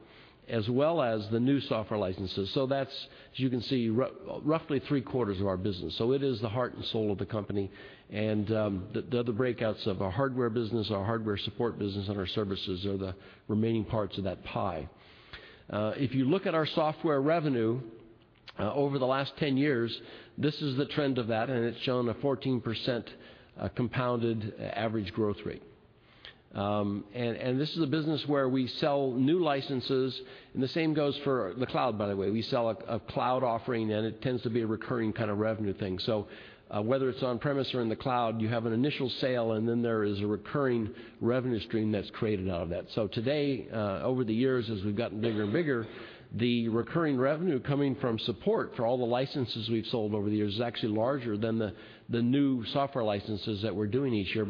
as well as the new software licenses. That's, as you can see, roughly three-quarters of our business. It is the heart and soul of the company. The other breakouts of our hardware business, our hardware support business, and our services are the remaining parts of that pie. If you look at our software revenue over the last 10 years, this is the trend of that, and it's shown a 14% compounded average growth rate. This is a business where we sell new licenses, and the same goes for the cloud, by the way. We sell a cloud offering, and it tends to be a recurring kind of revenue thing. Whether it's on-premise or in the cloud, you have an initial sale, and then there is a recurring revenue stream that's created out of that. Today, over the years, as we've gotten bigger and bigger, the recurring revenue coming from support for all the licenses we've sold over the years is actually larger than the new software licenses that we're doing each year.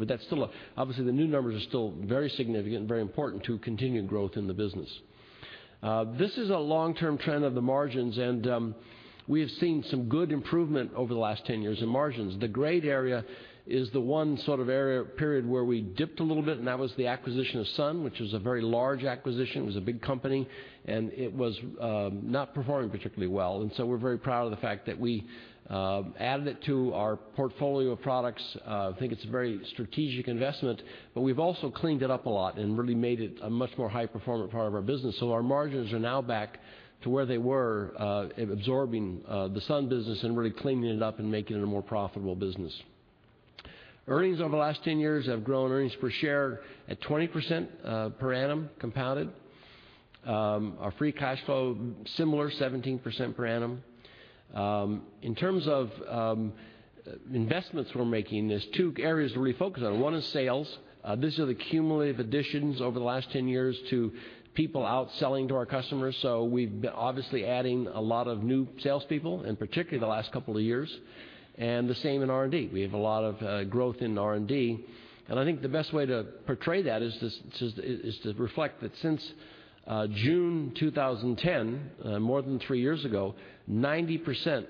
Obviously, the new numbers are still very significant and very important to continued growth in the business. This is a long-term trend of the margins, and we have seen some good improvement over the last 10 years in margins. The grayed area is the one sort of area period where we dipped a little bit, and that was the acquisition of Sun, which was a very large acquisition. It was a big company, and it was not performing particularly well. We're very proud of the fact that we added it to our portfolio of products. I think it's a very strategic investment. We've also cleaned it up a lot and really made it a much more high-performance part of our business. Our margins are now back to where they were, absorbing the Sun business and really cleaning it up and making it a more profitable business. Earnings over the last 10 years have grown earnings per share at 20% per annum compounded. Our free cash flow, similar, 17% per annum. In terms of investments we're making, there's two areas that we focus on. One is sales. These are the cumulative additions over the last 10 years to people out selling to our customers. We've been obviously adding a lot of new salespeople, and particularly the last couple of years, and the same in R&D. We have a lot of growth in R&D. I think the best way to portray that is to reflect that since June 2010, more than three years ago, 96%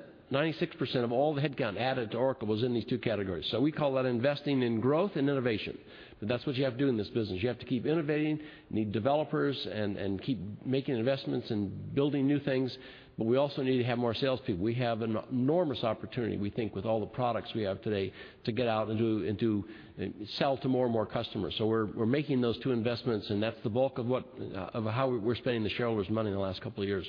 of all the headcount added to Oracle was in these two categories. We call that investing in growth and innovation. That's what you have to do in this business. You have to keep innovating, need developers, and keep making investments and building new things, but we also need to have more salespeople. We have an enormous opportunity, we think, with all the products we have today to get out and to sell to more and more customers. We're making those two investments, and that's the bulk of how we're spending the shareholders' money in the last couple of years.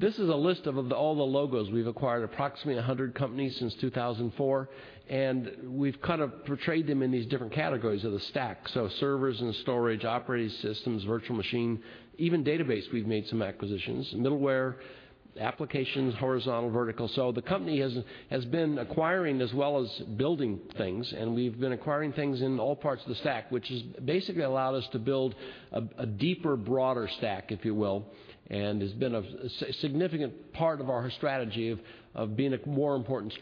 This is a list of all the logos we've acquired, approximately 100 companies since 2004, and we've portrayed them in these different categories of the stack. Servers and storage, operating systems, virtual machine, even database, we've made some acquisitions. Middleware, applications, horizontal, vertical. The company has been acquiring as well as building things, and we've been acquiring things in all parts of the stack, which has basically allowed us to build a deeper, broader stack, if you will, and has been a significant part of our strategy of being a more important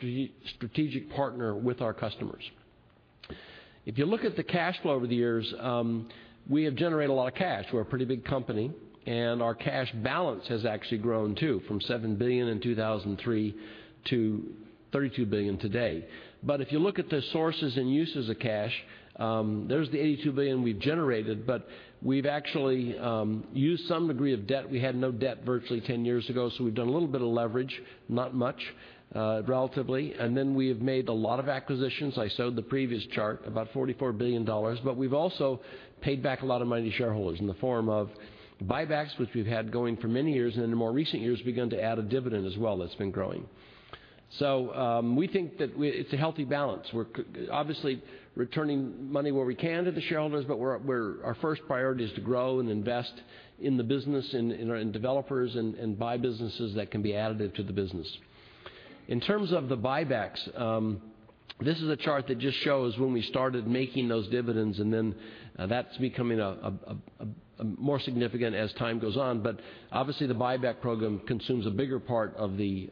strategic partner with our customers. If you look at the cash flow over the years, we have generated a lot of cash. We're a pretty big company, our cash balance has actually grown too, from $7 billion in 2003 to $32 billion today. If you look at the sources and uses of cash, there's the $82 billion we've generated, but we've actually used some degree of debt. We had no debt virtually 10 years ago, we've done a little bit of leverage, not much relatively. We have made a lot of acquisitions. I showed the previous chart, about $44 billion, but we've also paid back a lot of money to shareholders in the form of buybacks, which we've had going for many years, and in the more recent years, begun to add a dividend as well that's been growing. We think that it's a healthy balance. We're obviously returning money where we can to the shareholders, but our first priority is to grow and invest in the business, in developers, and buy businesses that can be additive to the business. In terms of the buybacks, this is a chart that just shows when we started making those dividends, and then that's becoming more significant as time goes on. Obviously, the buyback program consumes a bigger part of the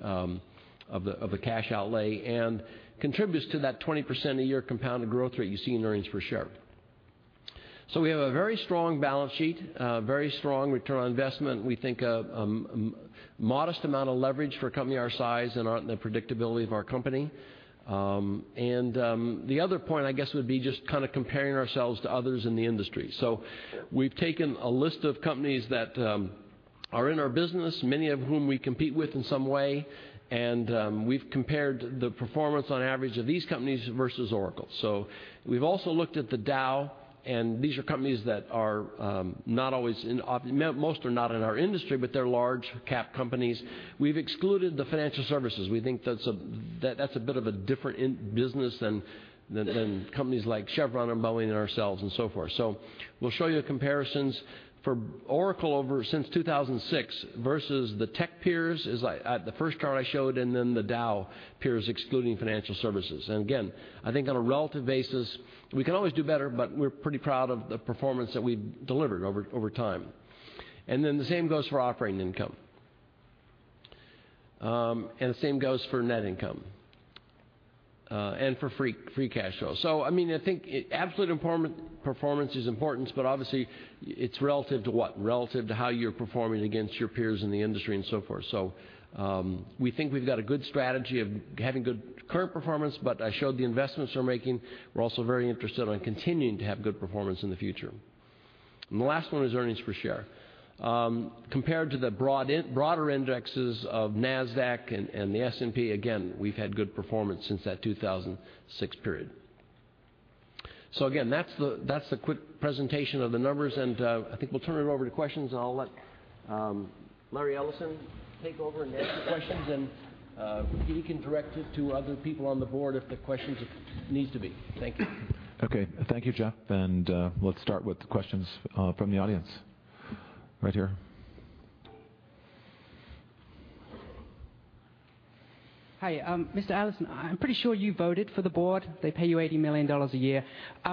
cash outlay and contributes to that 20% a year compounded growth rate you see in earnings per share. We have a very strong balance sheet, very strong return on investment. We think a modest amount of leverage for a company our size and the predictability of our company. The other point, I guess, would be just comparing ourselves to others in the industry. We've taken a list of companies that are in our business, many of whom we compete with in some way, and we've compared the performance on average of these companies versus Oracle. We've also looked at the Dow, these are companies that most are not in our industry, but they're large cap companies. We've excluded the financial services. We think that's a bit of a different business than companies like Chevron or Boeing and ourselves and so forth. We'll show you comparisons for Oracle since 2006 versus the tech peers at the first chart I showed, and then the Dow peers, excluding financial services. Again, I think on a relative basis, we can always do better, we're pretty proud of the performance that we've delivered over time. The same goes for operating income. The same goes for net income and for free cash flow. I think absolute performance is important, but obviously it's relative to what? Relative to how you're performing against your peers in the industry and so forth. We think we've got a good strategy of having good current performance, but I showed the investments we're making. We're also very interested in continuing to have good performance in the future. The last one is earnings per share. Compared to the broader indexes of NASDAQ and the S&P, again, we've had good performance since that 2006 period. That's the quick presentation of the numbers, I think we'll turn it over to questions, and I'll let Larry Ellison take over and answer questions. He can direct it to other people on the board if the questions need to be. Thank you. Thank you, Jeff, let's start with questions from the audience. Right here. Hi, Mr. Ellison. I'm pretty sure you voted for the board. They pay you $80 million a year.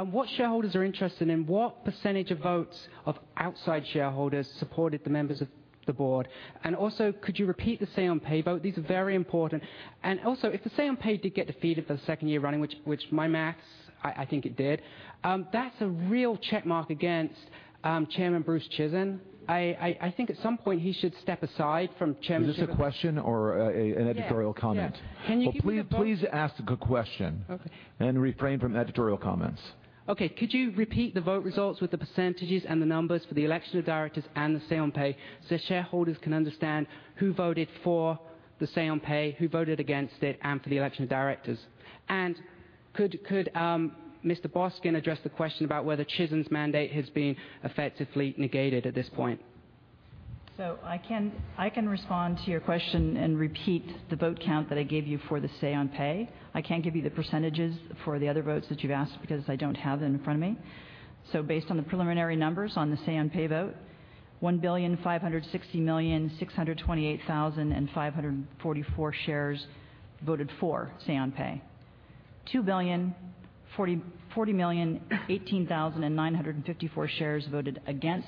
What shareholders are interested in, what percentage of votes of outside shareholders supported the members of the board? Could you repeat the say on pay vote? These are very important. If the say on pay did get defeated for the second year running, which by my maths, I think it did, that's a real checkmark against Chairman Bruce Chizen. I think at some point he should step aside from Chairman- Is this a question or an editorial comment? Yes. Can you give me the vote- Well, please ask a question. Okay. Refrain from editorial comments. Okay. Could you repeat the vote results with the percentages and the numbers for the election of directors and the say on pay so shareholders can understand who voted for the say on pay, who voted against it, and for the election of directors? Could Mr. Boskin address the question about whether Chizen's mandate has been effectively negated at this point? I can respond to your question and repeat the vote count that I gave you for the say on pay. I can't give you the percentages for the other votes that you've asked because I don't have them in front of me. Based on the preliminary numbers on the say on pay vote, 1,560,628,544 shares voted for say on pay. 2,040,018,954 shares voted against,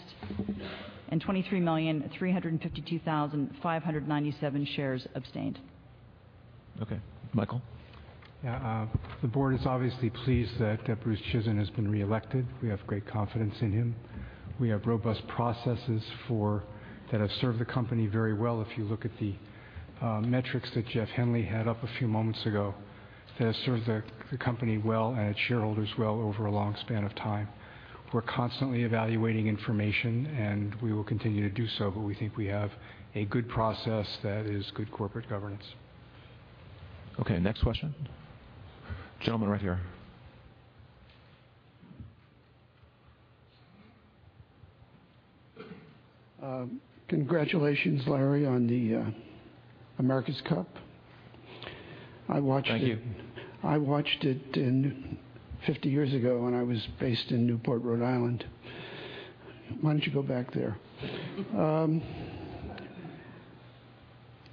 and 23,352,597 shares abstained. Okay. Michael? The board is obviously pleased that Bruce Chizen has been reelected. We have great confidence in him. We have robust processes that have served the company very well, if you look at the metrics that Jeff Henley had up a few moments ago. They have served the company well and its shareholders well over a long span of time. We're constantly evaluating information, and we will continue to do so, but we think we have a good process that is good corporate governance. Okay. Next question. Gentleman right here. Congratulations, Larry, on the America's Cup. Thank you. I watched it 50 years ago when I was based in Newport, Rhode Island. Why don't you go back there?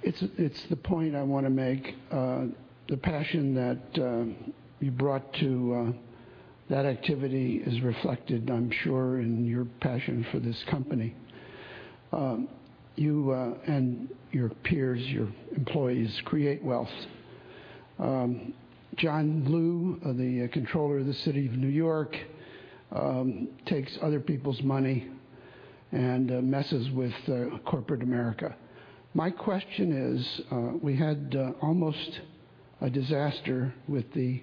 It's the point I want to make. The passion that you brought to that activity is reflected, I'm sure, in your passion for this company. You and your peers, your employees, create wealth. John Liu, the comptroller of the City of New York, takes other people's money and messes with corporate America. My question is, we had almost a disaster with the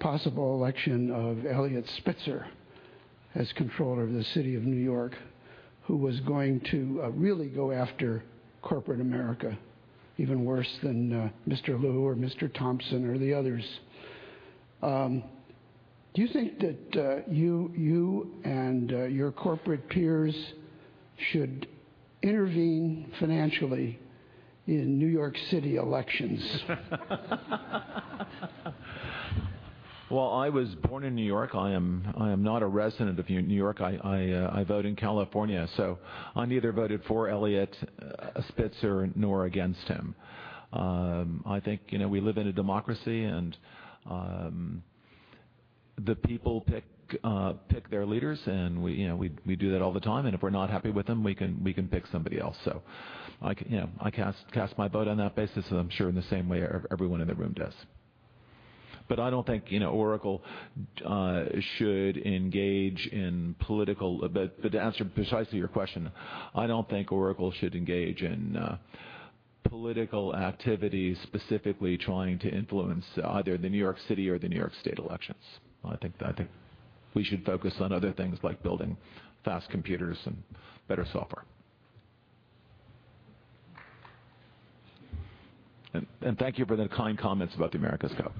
possible election of Eliot Spitzer as comptroller of the City of New York, who was going to really go after corporate America even worse than Mr. Liu or Mr. Thompson or the others. Do you think that you and your corporate peers should intervene financially in New York City elections? Well, I was born in New York. I am not a resident of New York. I vote in California, I neither voted for Eliot Spitzer nor against him. I think we live in a democracy, the people pick their leaders, we do that all the time, if we're not happy with them, we can pick somebody else. I cast my vote on that basis, I'm sure in the same way everyone in the room does. I don't think Oracle should engage in political activity specifically trying to influence either the New York City or the New York state elections. I think we should focus on other things like building fast computers and better software. Thank you for the kind comments about the America's Cup.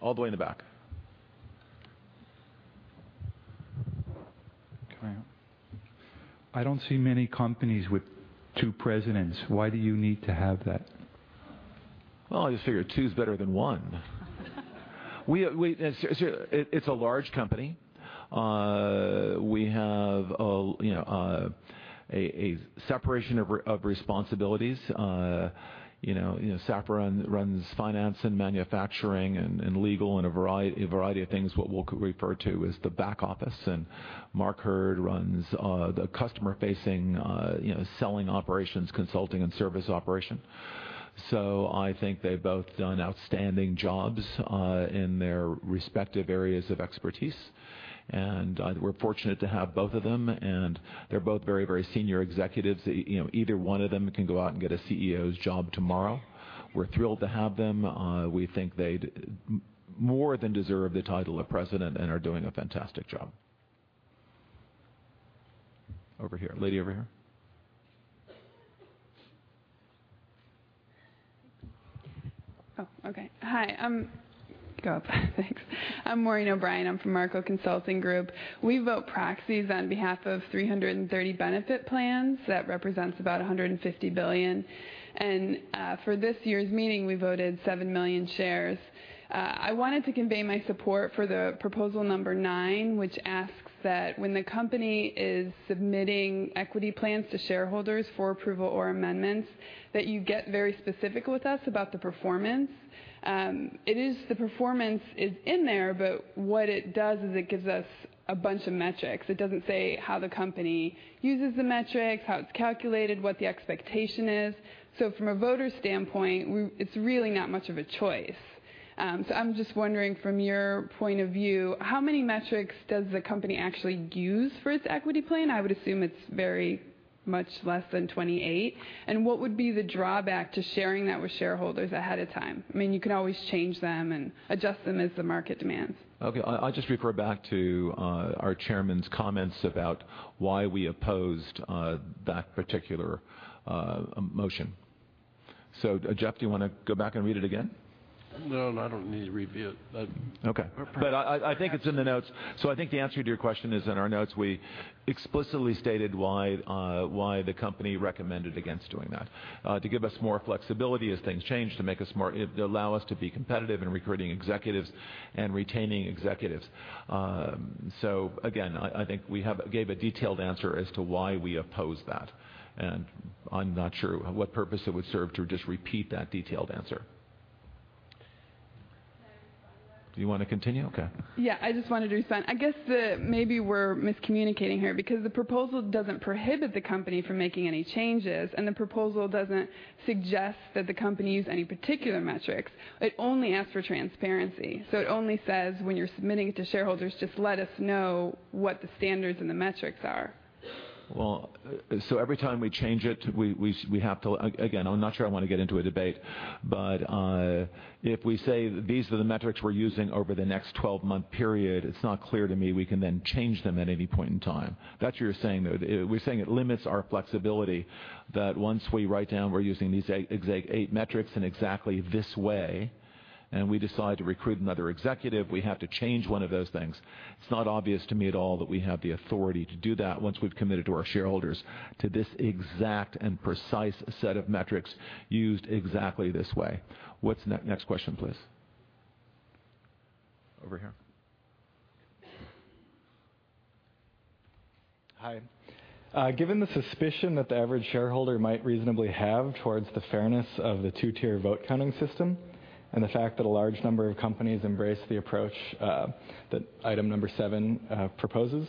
All the way in the back. Okay. I don't see many companies with two presidents. Why do you need to have that? Well, I just figure two's better than one. It's a large company. We have a separation of responsibilities. Safra runs finance and manufacturing and legal and a variety of things, what we refer to as the back office, and Mark Hurd runs the customer-facing selling operations, consulting, and service operation. I think they've both done outstanding jobs in their respective areas of expertise, and we're fortunate to have both of them, and they're both very senior executives. Either one of them can go out and get a CEO's job tomorrow. We're thrilled to have them. We think they more than deserve the title of president and are doing a fantastic job. Over here. Lady over here. Oh, okay. Hi, go up. Thanks. I'm Maureen O'Brien. I'm from Marco Consulting Group. We vote proxies on behalf of 330 benefit plans. That represents about $150 billion. For this year's meeting, we voted 7 million shares. I wanted to convey my support for the proposal number 9, which asks that when the company is submitting equity plans to shareholders for approval or amendments, that you get very specific with us about the performance. The performance is in there, but what it does is it gives us a bunch of metrics. It doesn't say how the company uses the metrics, how it's calculated, what the expectation is. From a voter standpoint, it's really not much of a choice. I'm just wondering from your point of view, how many metrics does the company actually use for its equity plan? I would assume it's very much less than 28. What would be the drawback to sharing that with shareholders ahead of time? You can always change them and adjust them as the market demands. Okay. I'll just refer back to our Chairman's comments about why we opposed that particular motion. Jeff, do you want to go back and read it again? No, I don't need to read it. Okay. I think it's in the notes. I think the answer to your question is in our notes. We explicitly stated why the company recommended against doing that, to give us more flexibility as things change, to allow us to be competitive in recruiting executives and retaining executives. Again, I think we gave a detailed answer as to why we opposed that, and I'm not sure what purpose it would serve to just repeat that detailed answer. Can I follow up? Do you want to continue? Okay. Yeah. I just wanted to respond. I guess that maybe we're miscommunicating here because the proposal doesn't prohibit the company from making any changes, and the proposal doesn't suggest that the company use any particular metrics. It only asks for transparency. It only says when you're submitting it to shareholders, just let us know what the standards and the metrics are. Well, every time we change it, Again, I'm not sure I want to get into a debate. If we say these are the metrics we're using over the next 12-month period, it's not clear to me we can then change them at any point in time. That's what you're saying, though. We're saying it limits our flexibility that once we write down we're using these exact eight metrics in exactly this way, and we decide to recruit another executive, we have to change one of those things. It's not obvious to me at all that we have the authority to do that once we've committed to our shareholders to this exact and precise set of metrics used exactly this way. Next question, please. Over here. Hi. Given the suspicion that the average shareholder might reasonably have towards the fairness of the two-tier vote counting system and the fact that a large number of companies embrace the approach that item number 7 proposes,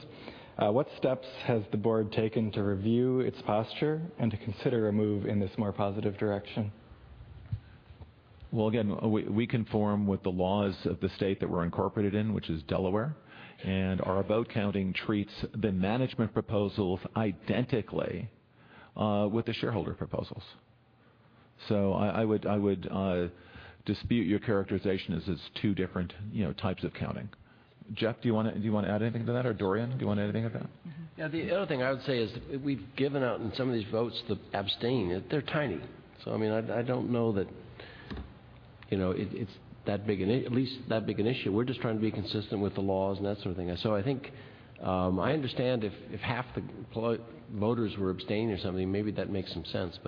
what steps has the board taken to review its posture and to consider a move in this more positive direction? Well, again, we conform with the laws of the state that we're incorporated in, which is Delaware. Our vote counting treats the management proposals identically with the shareholder proposals. I would dispute your characterization as it's two different types of counting. Jeff, do you want to add anything to that? Dorian, do you want to add anything to that? Yeah, the other thing I would say is we've given out in some of these votes, the abstain, they're tiny. I don't know that it's that big an issue. We're just trying to be consistent with the laws and that sort of thing. I think, I understand if half the voters were abstain or something, maybe that makes some sense.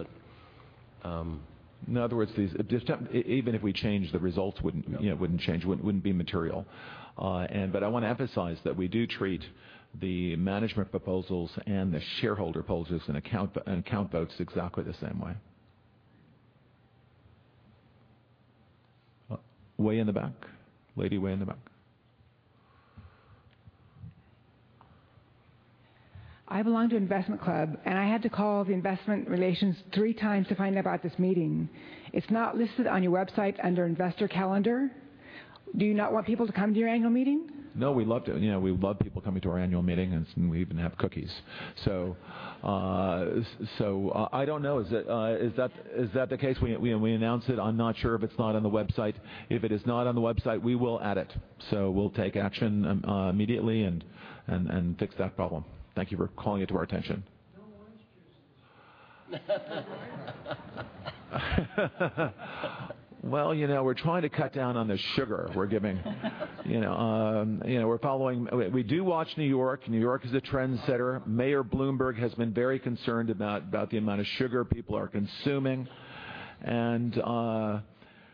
In other words, even if we change, the results wouldn't change. Wouldn't be material. I want to emphasize that we do treat the management proposals and the shareholder proposals and count votes exactly the same way. Way in the back. Lady way in the back. I belong to investment club. I had to call the investment relations three times to find out about this meeting. It's not listed on your website under investor calendar. Do you not want people to come to your annual meeting? No, we love people coming to our annual meeting, and we even have cookies. I don't know. Is that the case? We announce it. I'm not sure if it's not on the website. If it is not on the website, we will add it. We'll take action immediately and fix that problem. Thank you for calling it to our attention. No orange juice this year. Well, we're trying to cut down on the sugar we're giving. We do watch New York. New York is a trendsetter. Mayor Bloomberg has been very concerned about the amount of sugar people are consuming, and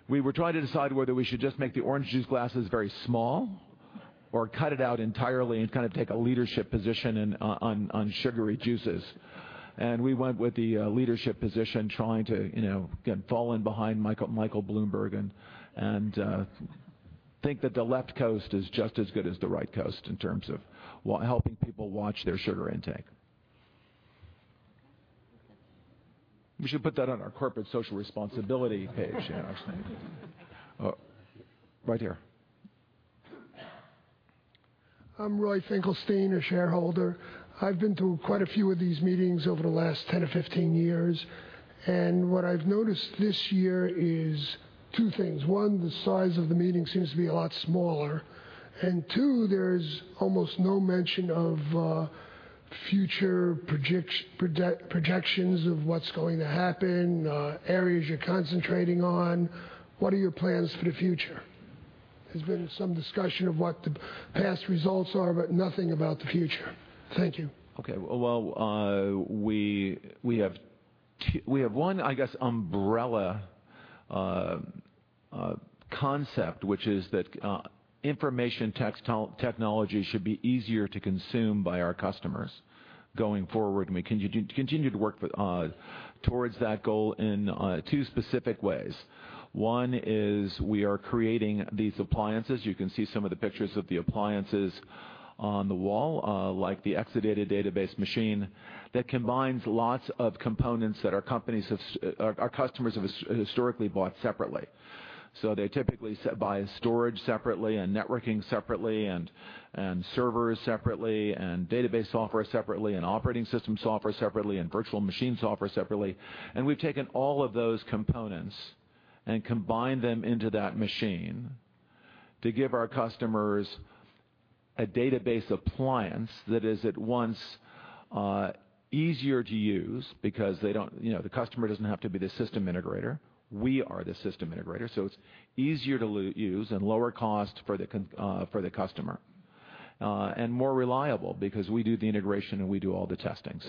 we were trying to decide whether we should just make the orange juice glasses very small or cut it out entirely and kind of take a leadership position on sugary juices. We went with the leadership position, trying to fallen behind Michael Bloomberg and think that the left coast is just as good as the right coast in terms of helping people watch their sugar intake. We should put that on our corporate social responsibility page. Right here. I'm Roy Finkelstein, a shareholder. I've been to quite a few of these meetings over the last 10 or 15 years. What I've noticed this year is two things. One, the size of the meeting seems to be a lot smaller. Two, there's almost no mention of future projections of what's going to happen, areas you're concentrating on. What are your plans for the future? There's been some discussion of what the past results are. Nothing about the future. Thank you. Well, we have one, I guess, umbrella concept, which is that information technology should be easier to consume by our customers going forward. We continue to work towards that goal in two specific ways. One is we are creating these appliances. You can see some of the pictures of the appliances on the wall, like the Exadata Database Machine that combines lots of components that our customers have historically bought separately. They typically buy storage separately and networking separately and servers separately and database software separately, and operating system software separately and virtual machine software separately. We've taken all of those components and combined them into that machine to give our customers a database appliance that is at once easier to use because the customer doesn't have to be the system integrator. We are the system integrator, it's easier to use and lower cost for the customer. More reliable because we do the integration, and we do all the testing.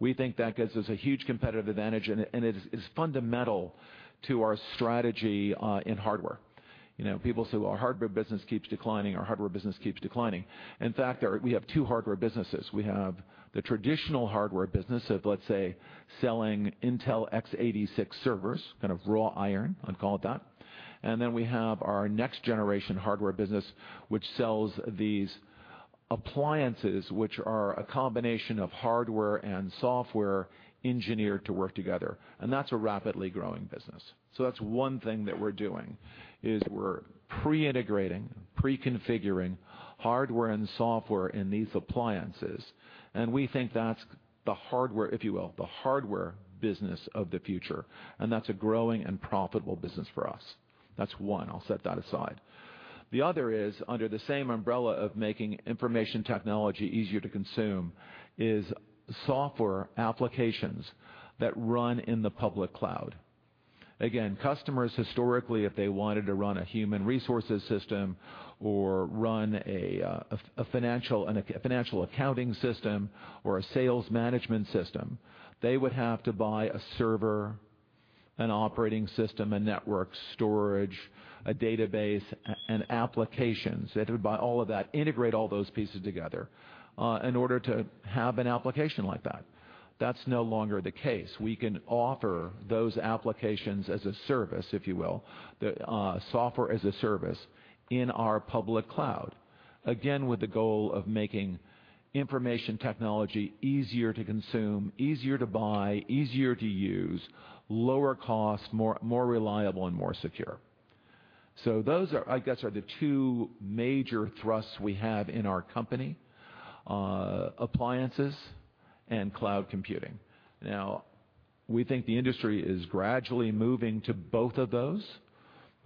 We think that gives us a huge competitive advantage, and it is fundamental to our strategy in hardware. People say, well, our hardware business keeps declining. In fact, we have two hardware businesses. We have the traditional hardware business of, let's say, selling Intel x86 servers, kind of raw iron, I'll call it that. Then we have our next generation hardware business, which sells these appliances, which are a combination of hardware and software engineered to work together, and that's a rapidly growing business. That's one thing that we're doing, is we're pre-integrating, pre-configuring hardware and software in these appliances. We think that's the hardware, if you will, the hardware business of the future, and that's a growing and profitable business for us. That's one. I'll set that aside. The other is, under the same umbrella of making information technology easier to consume, is software applications that run in the public cloud. Again, customers historically, if they wanted to run a human resources system or run a financial accounting system or a sales management system, they would have to buy a server, an operating system, a network, storage, a database, and applications. They would buy all of that, integrate all those pieces together, in order to have an application like that. That's no longer the case. We can offer those applications as a service, if you will, Software as a Service in our public cloud. Again, with the goal of making information technology easier to consume, easier to buy, easier to use, lower cost, more reliable, and more secure. Those, I guess, are the two major thrusts we have in our company. Appliances and cloud computing. We think the industry is gradually moving to both of those,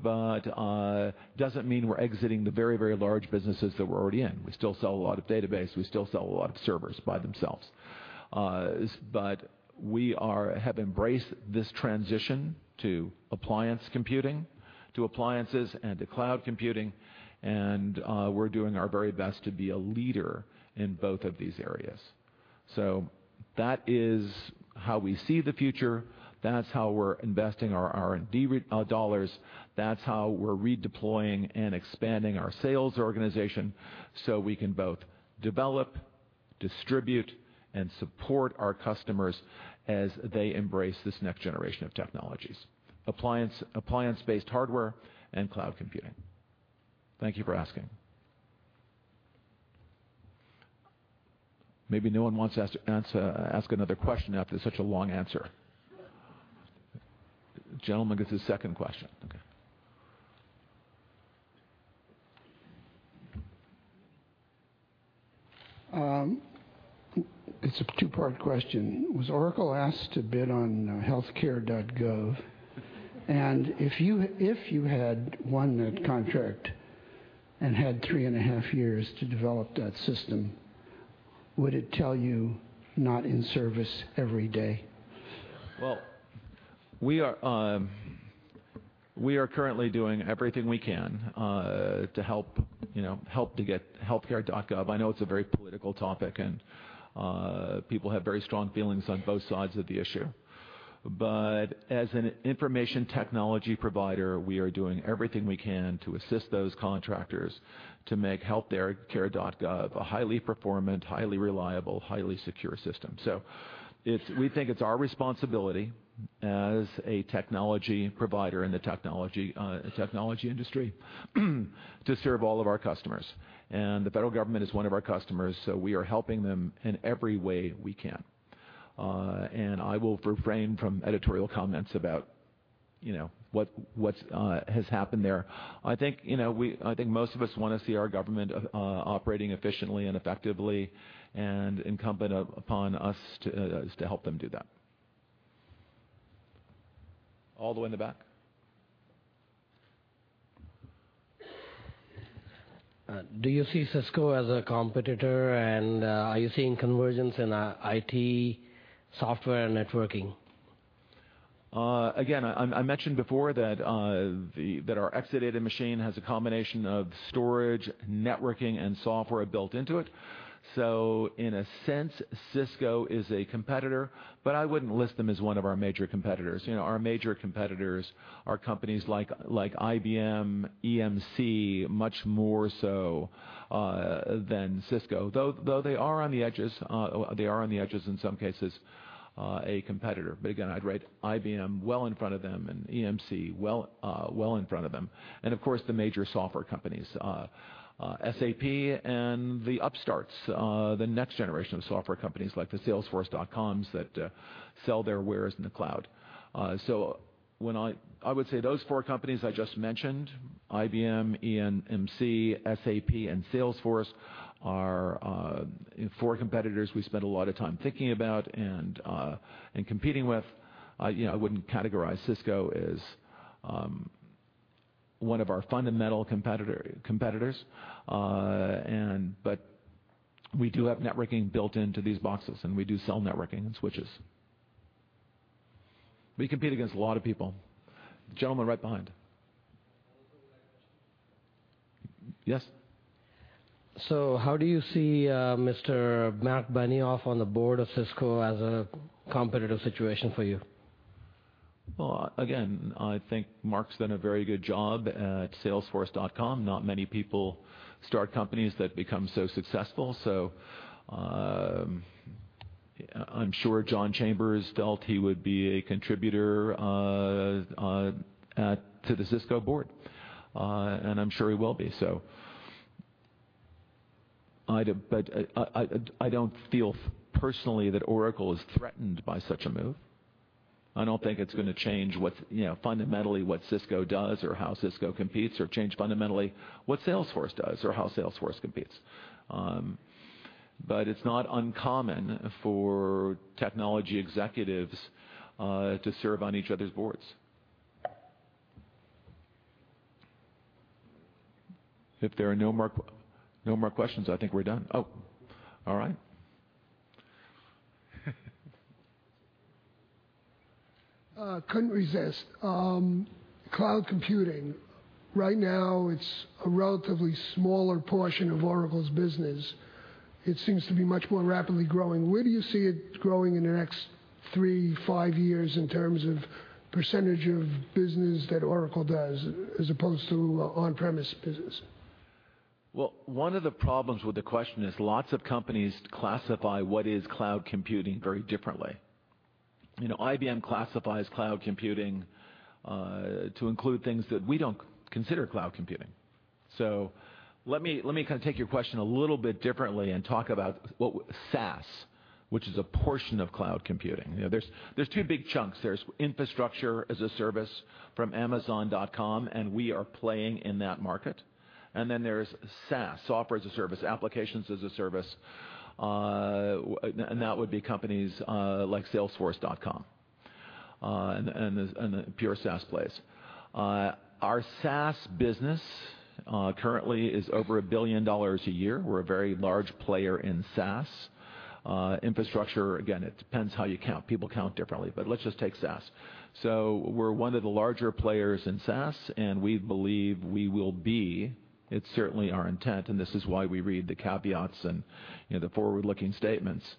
but it doesn't mean we're exiting the very large businesses that we're already in. We still sell a lot of database. We still sell a lot of servers by themselves. We have embraced this transition to appliance computing, to appliances and to cloud computing, and we're doing our very best to be a leader in both of these areas. That is how we see the future. That's how we're investing our R&D dollars. That's how we're redeploying and expanding our sales organization so we can both develop, distribute, and support our customers as they embrace this next generation of technologies. Appliance-based hardware and cloud computing. Thank you for asking. Maybe no one wants to ask another question after such a long answer. The gentleman gets his second question. Okay. It's a two-part question. Was Oracle asked to bid on HealthCare.gov? If you had won that contract and had three and a half years to develop that system, would it tell you not in service every day? Well, we are currently doing everything we can to help to get HealthCare.gov. I know it's a very political topic, people have very strong feelings on both sides of the issue. As an information technology provider, we are doing everything we can to assist those contractors to make HealthCare.gov a highly performant, highly reliable, highly secure system. We think it's our responsibility as a technology provider in the technology industry to serve all of our customers. The federal government is one of our customers, so we are helping them in every way we can. I will refrain from editorial comments about what has happened there. I think most of us want to see our government operating efficiently and effectively, and incumbent upon us is to help them do that. All the way in the back. Do you see Cisco as a competitor, and are you seeing convergence in IT software networking? I mentioned before that our Exadata machine has a combination of storage, networking, and software built into it. In a sense, Cisco is a competitor, but I wouldn't list them as one of our major competitors. Our major competitors are companies like IBM, EMC, much more so than Cisco. Though they are on the edges in some cases, a competitor. Again, I'd rate IBM well in front of them and EMC well in front of them, and of course, the major software companies, SAP and the upstarts the next generation of software companies like the Salesforce.coms that sell their wares in the cloud. I would say those four companies I just mentioned, IBM, EMC, SAP, and Salesforce, are four competitors we spend a lot of time thinking about and competing with. I wouldn't categorize Cisco as one of our fundamental competitors. We do have networking built into these boxes, and we do sell networking and switches. We compete against a lot of people. The gentleman right behind. Also related. Yes. How do you see Mr. Marc Benioff on the board of Cisco as a competitive situation for you? Well, again, I think Marc's done a very good job at salesforce.com. Not many people start companies that become so successful. I'm sure John Chambers felt he would be a contributor to the Cisco board. I'm sure he will be. I don't feel personally that Oracle is threatened by such a move. I don't think it's going to change fundamentally what Cisco does or how Cisco competes, or change fundamentally what Salesforce does or how Salesforce competes. It's not uncommon for technology executives to serve on each other's boards. If there are no more questions, I think we're done. Oh, all right. Couldn't resist. Cloud computing. Right now, it's a relatively smaller portion of Oracle's business. It seems to be much more rapidly growing. Where do you see it growing in the next three, five years in terms of % of business that Oracle does as opposed to on-premise business? Well, one of the problems with the question is lots of companies classify what is cloud computing very differently. IBM classifies cloud computing to include things that we don't consider cloud computing. Let me take your question a little bit differently and talk about SaaS, which is a portion of cloud computing. There's two big chunks. There's infrastructure as a service from Amazon, we are playing in that market. Then there's SaaS, Software as a Service, applications as a service, and that would be companies like salesforce.com in a pure SaaS place. Our SaaS business currently is over $1 billion a year. We're a very large player in SaaS. Infrastructure, again, it depends how you count. People count differently, but let's just take SaaS. We're one of the larger players in SaaS, and we believe we will be, it's certainly our intent, and this is why we read the caveats and the forward-looking statements.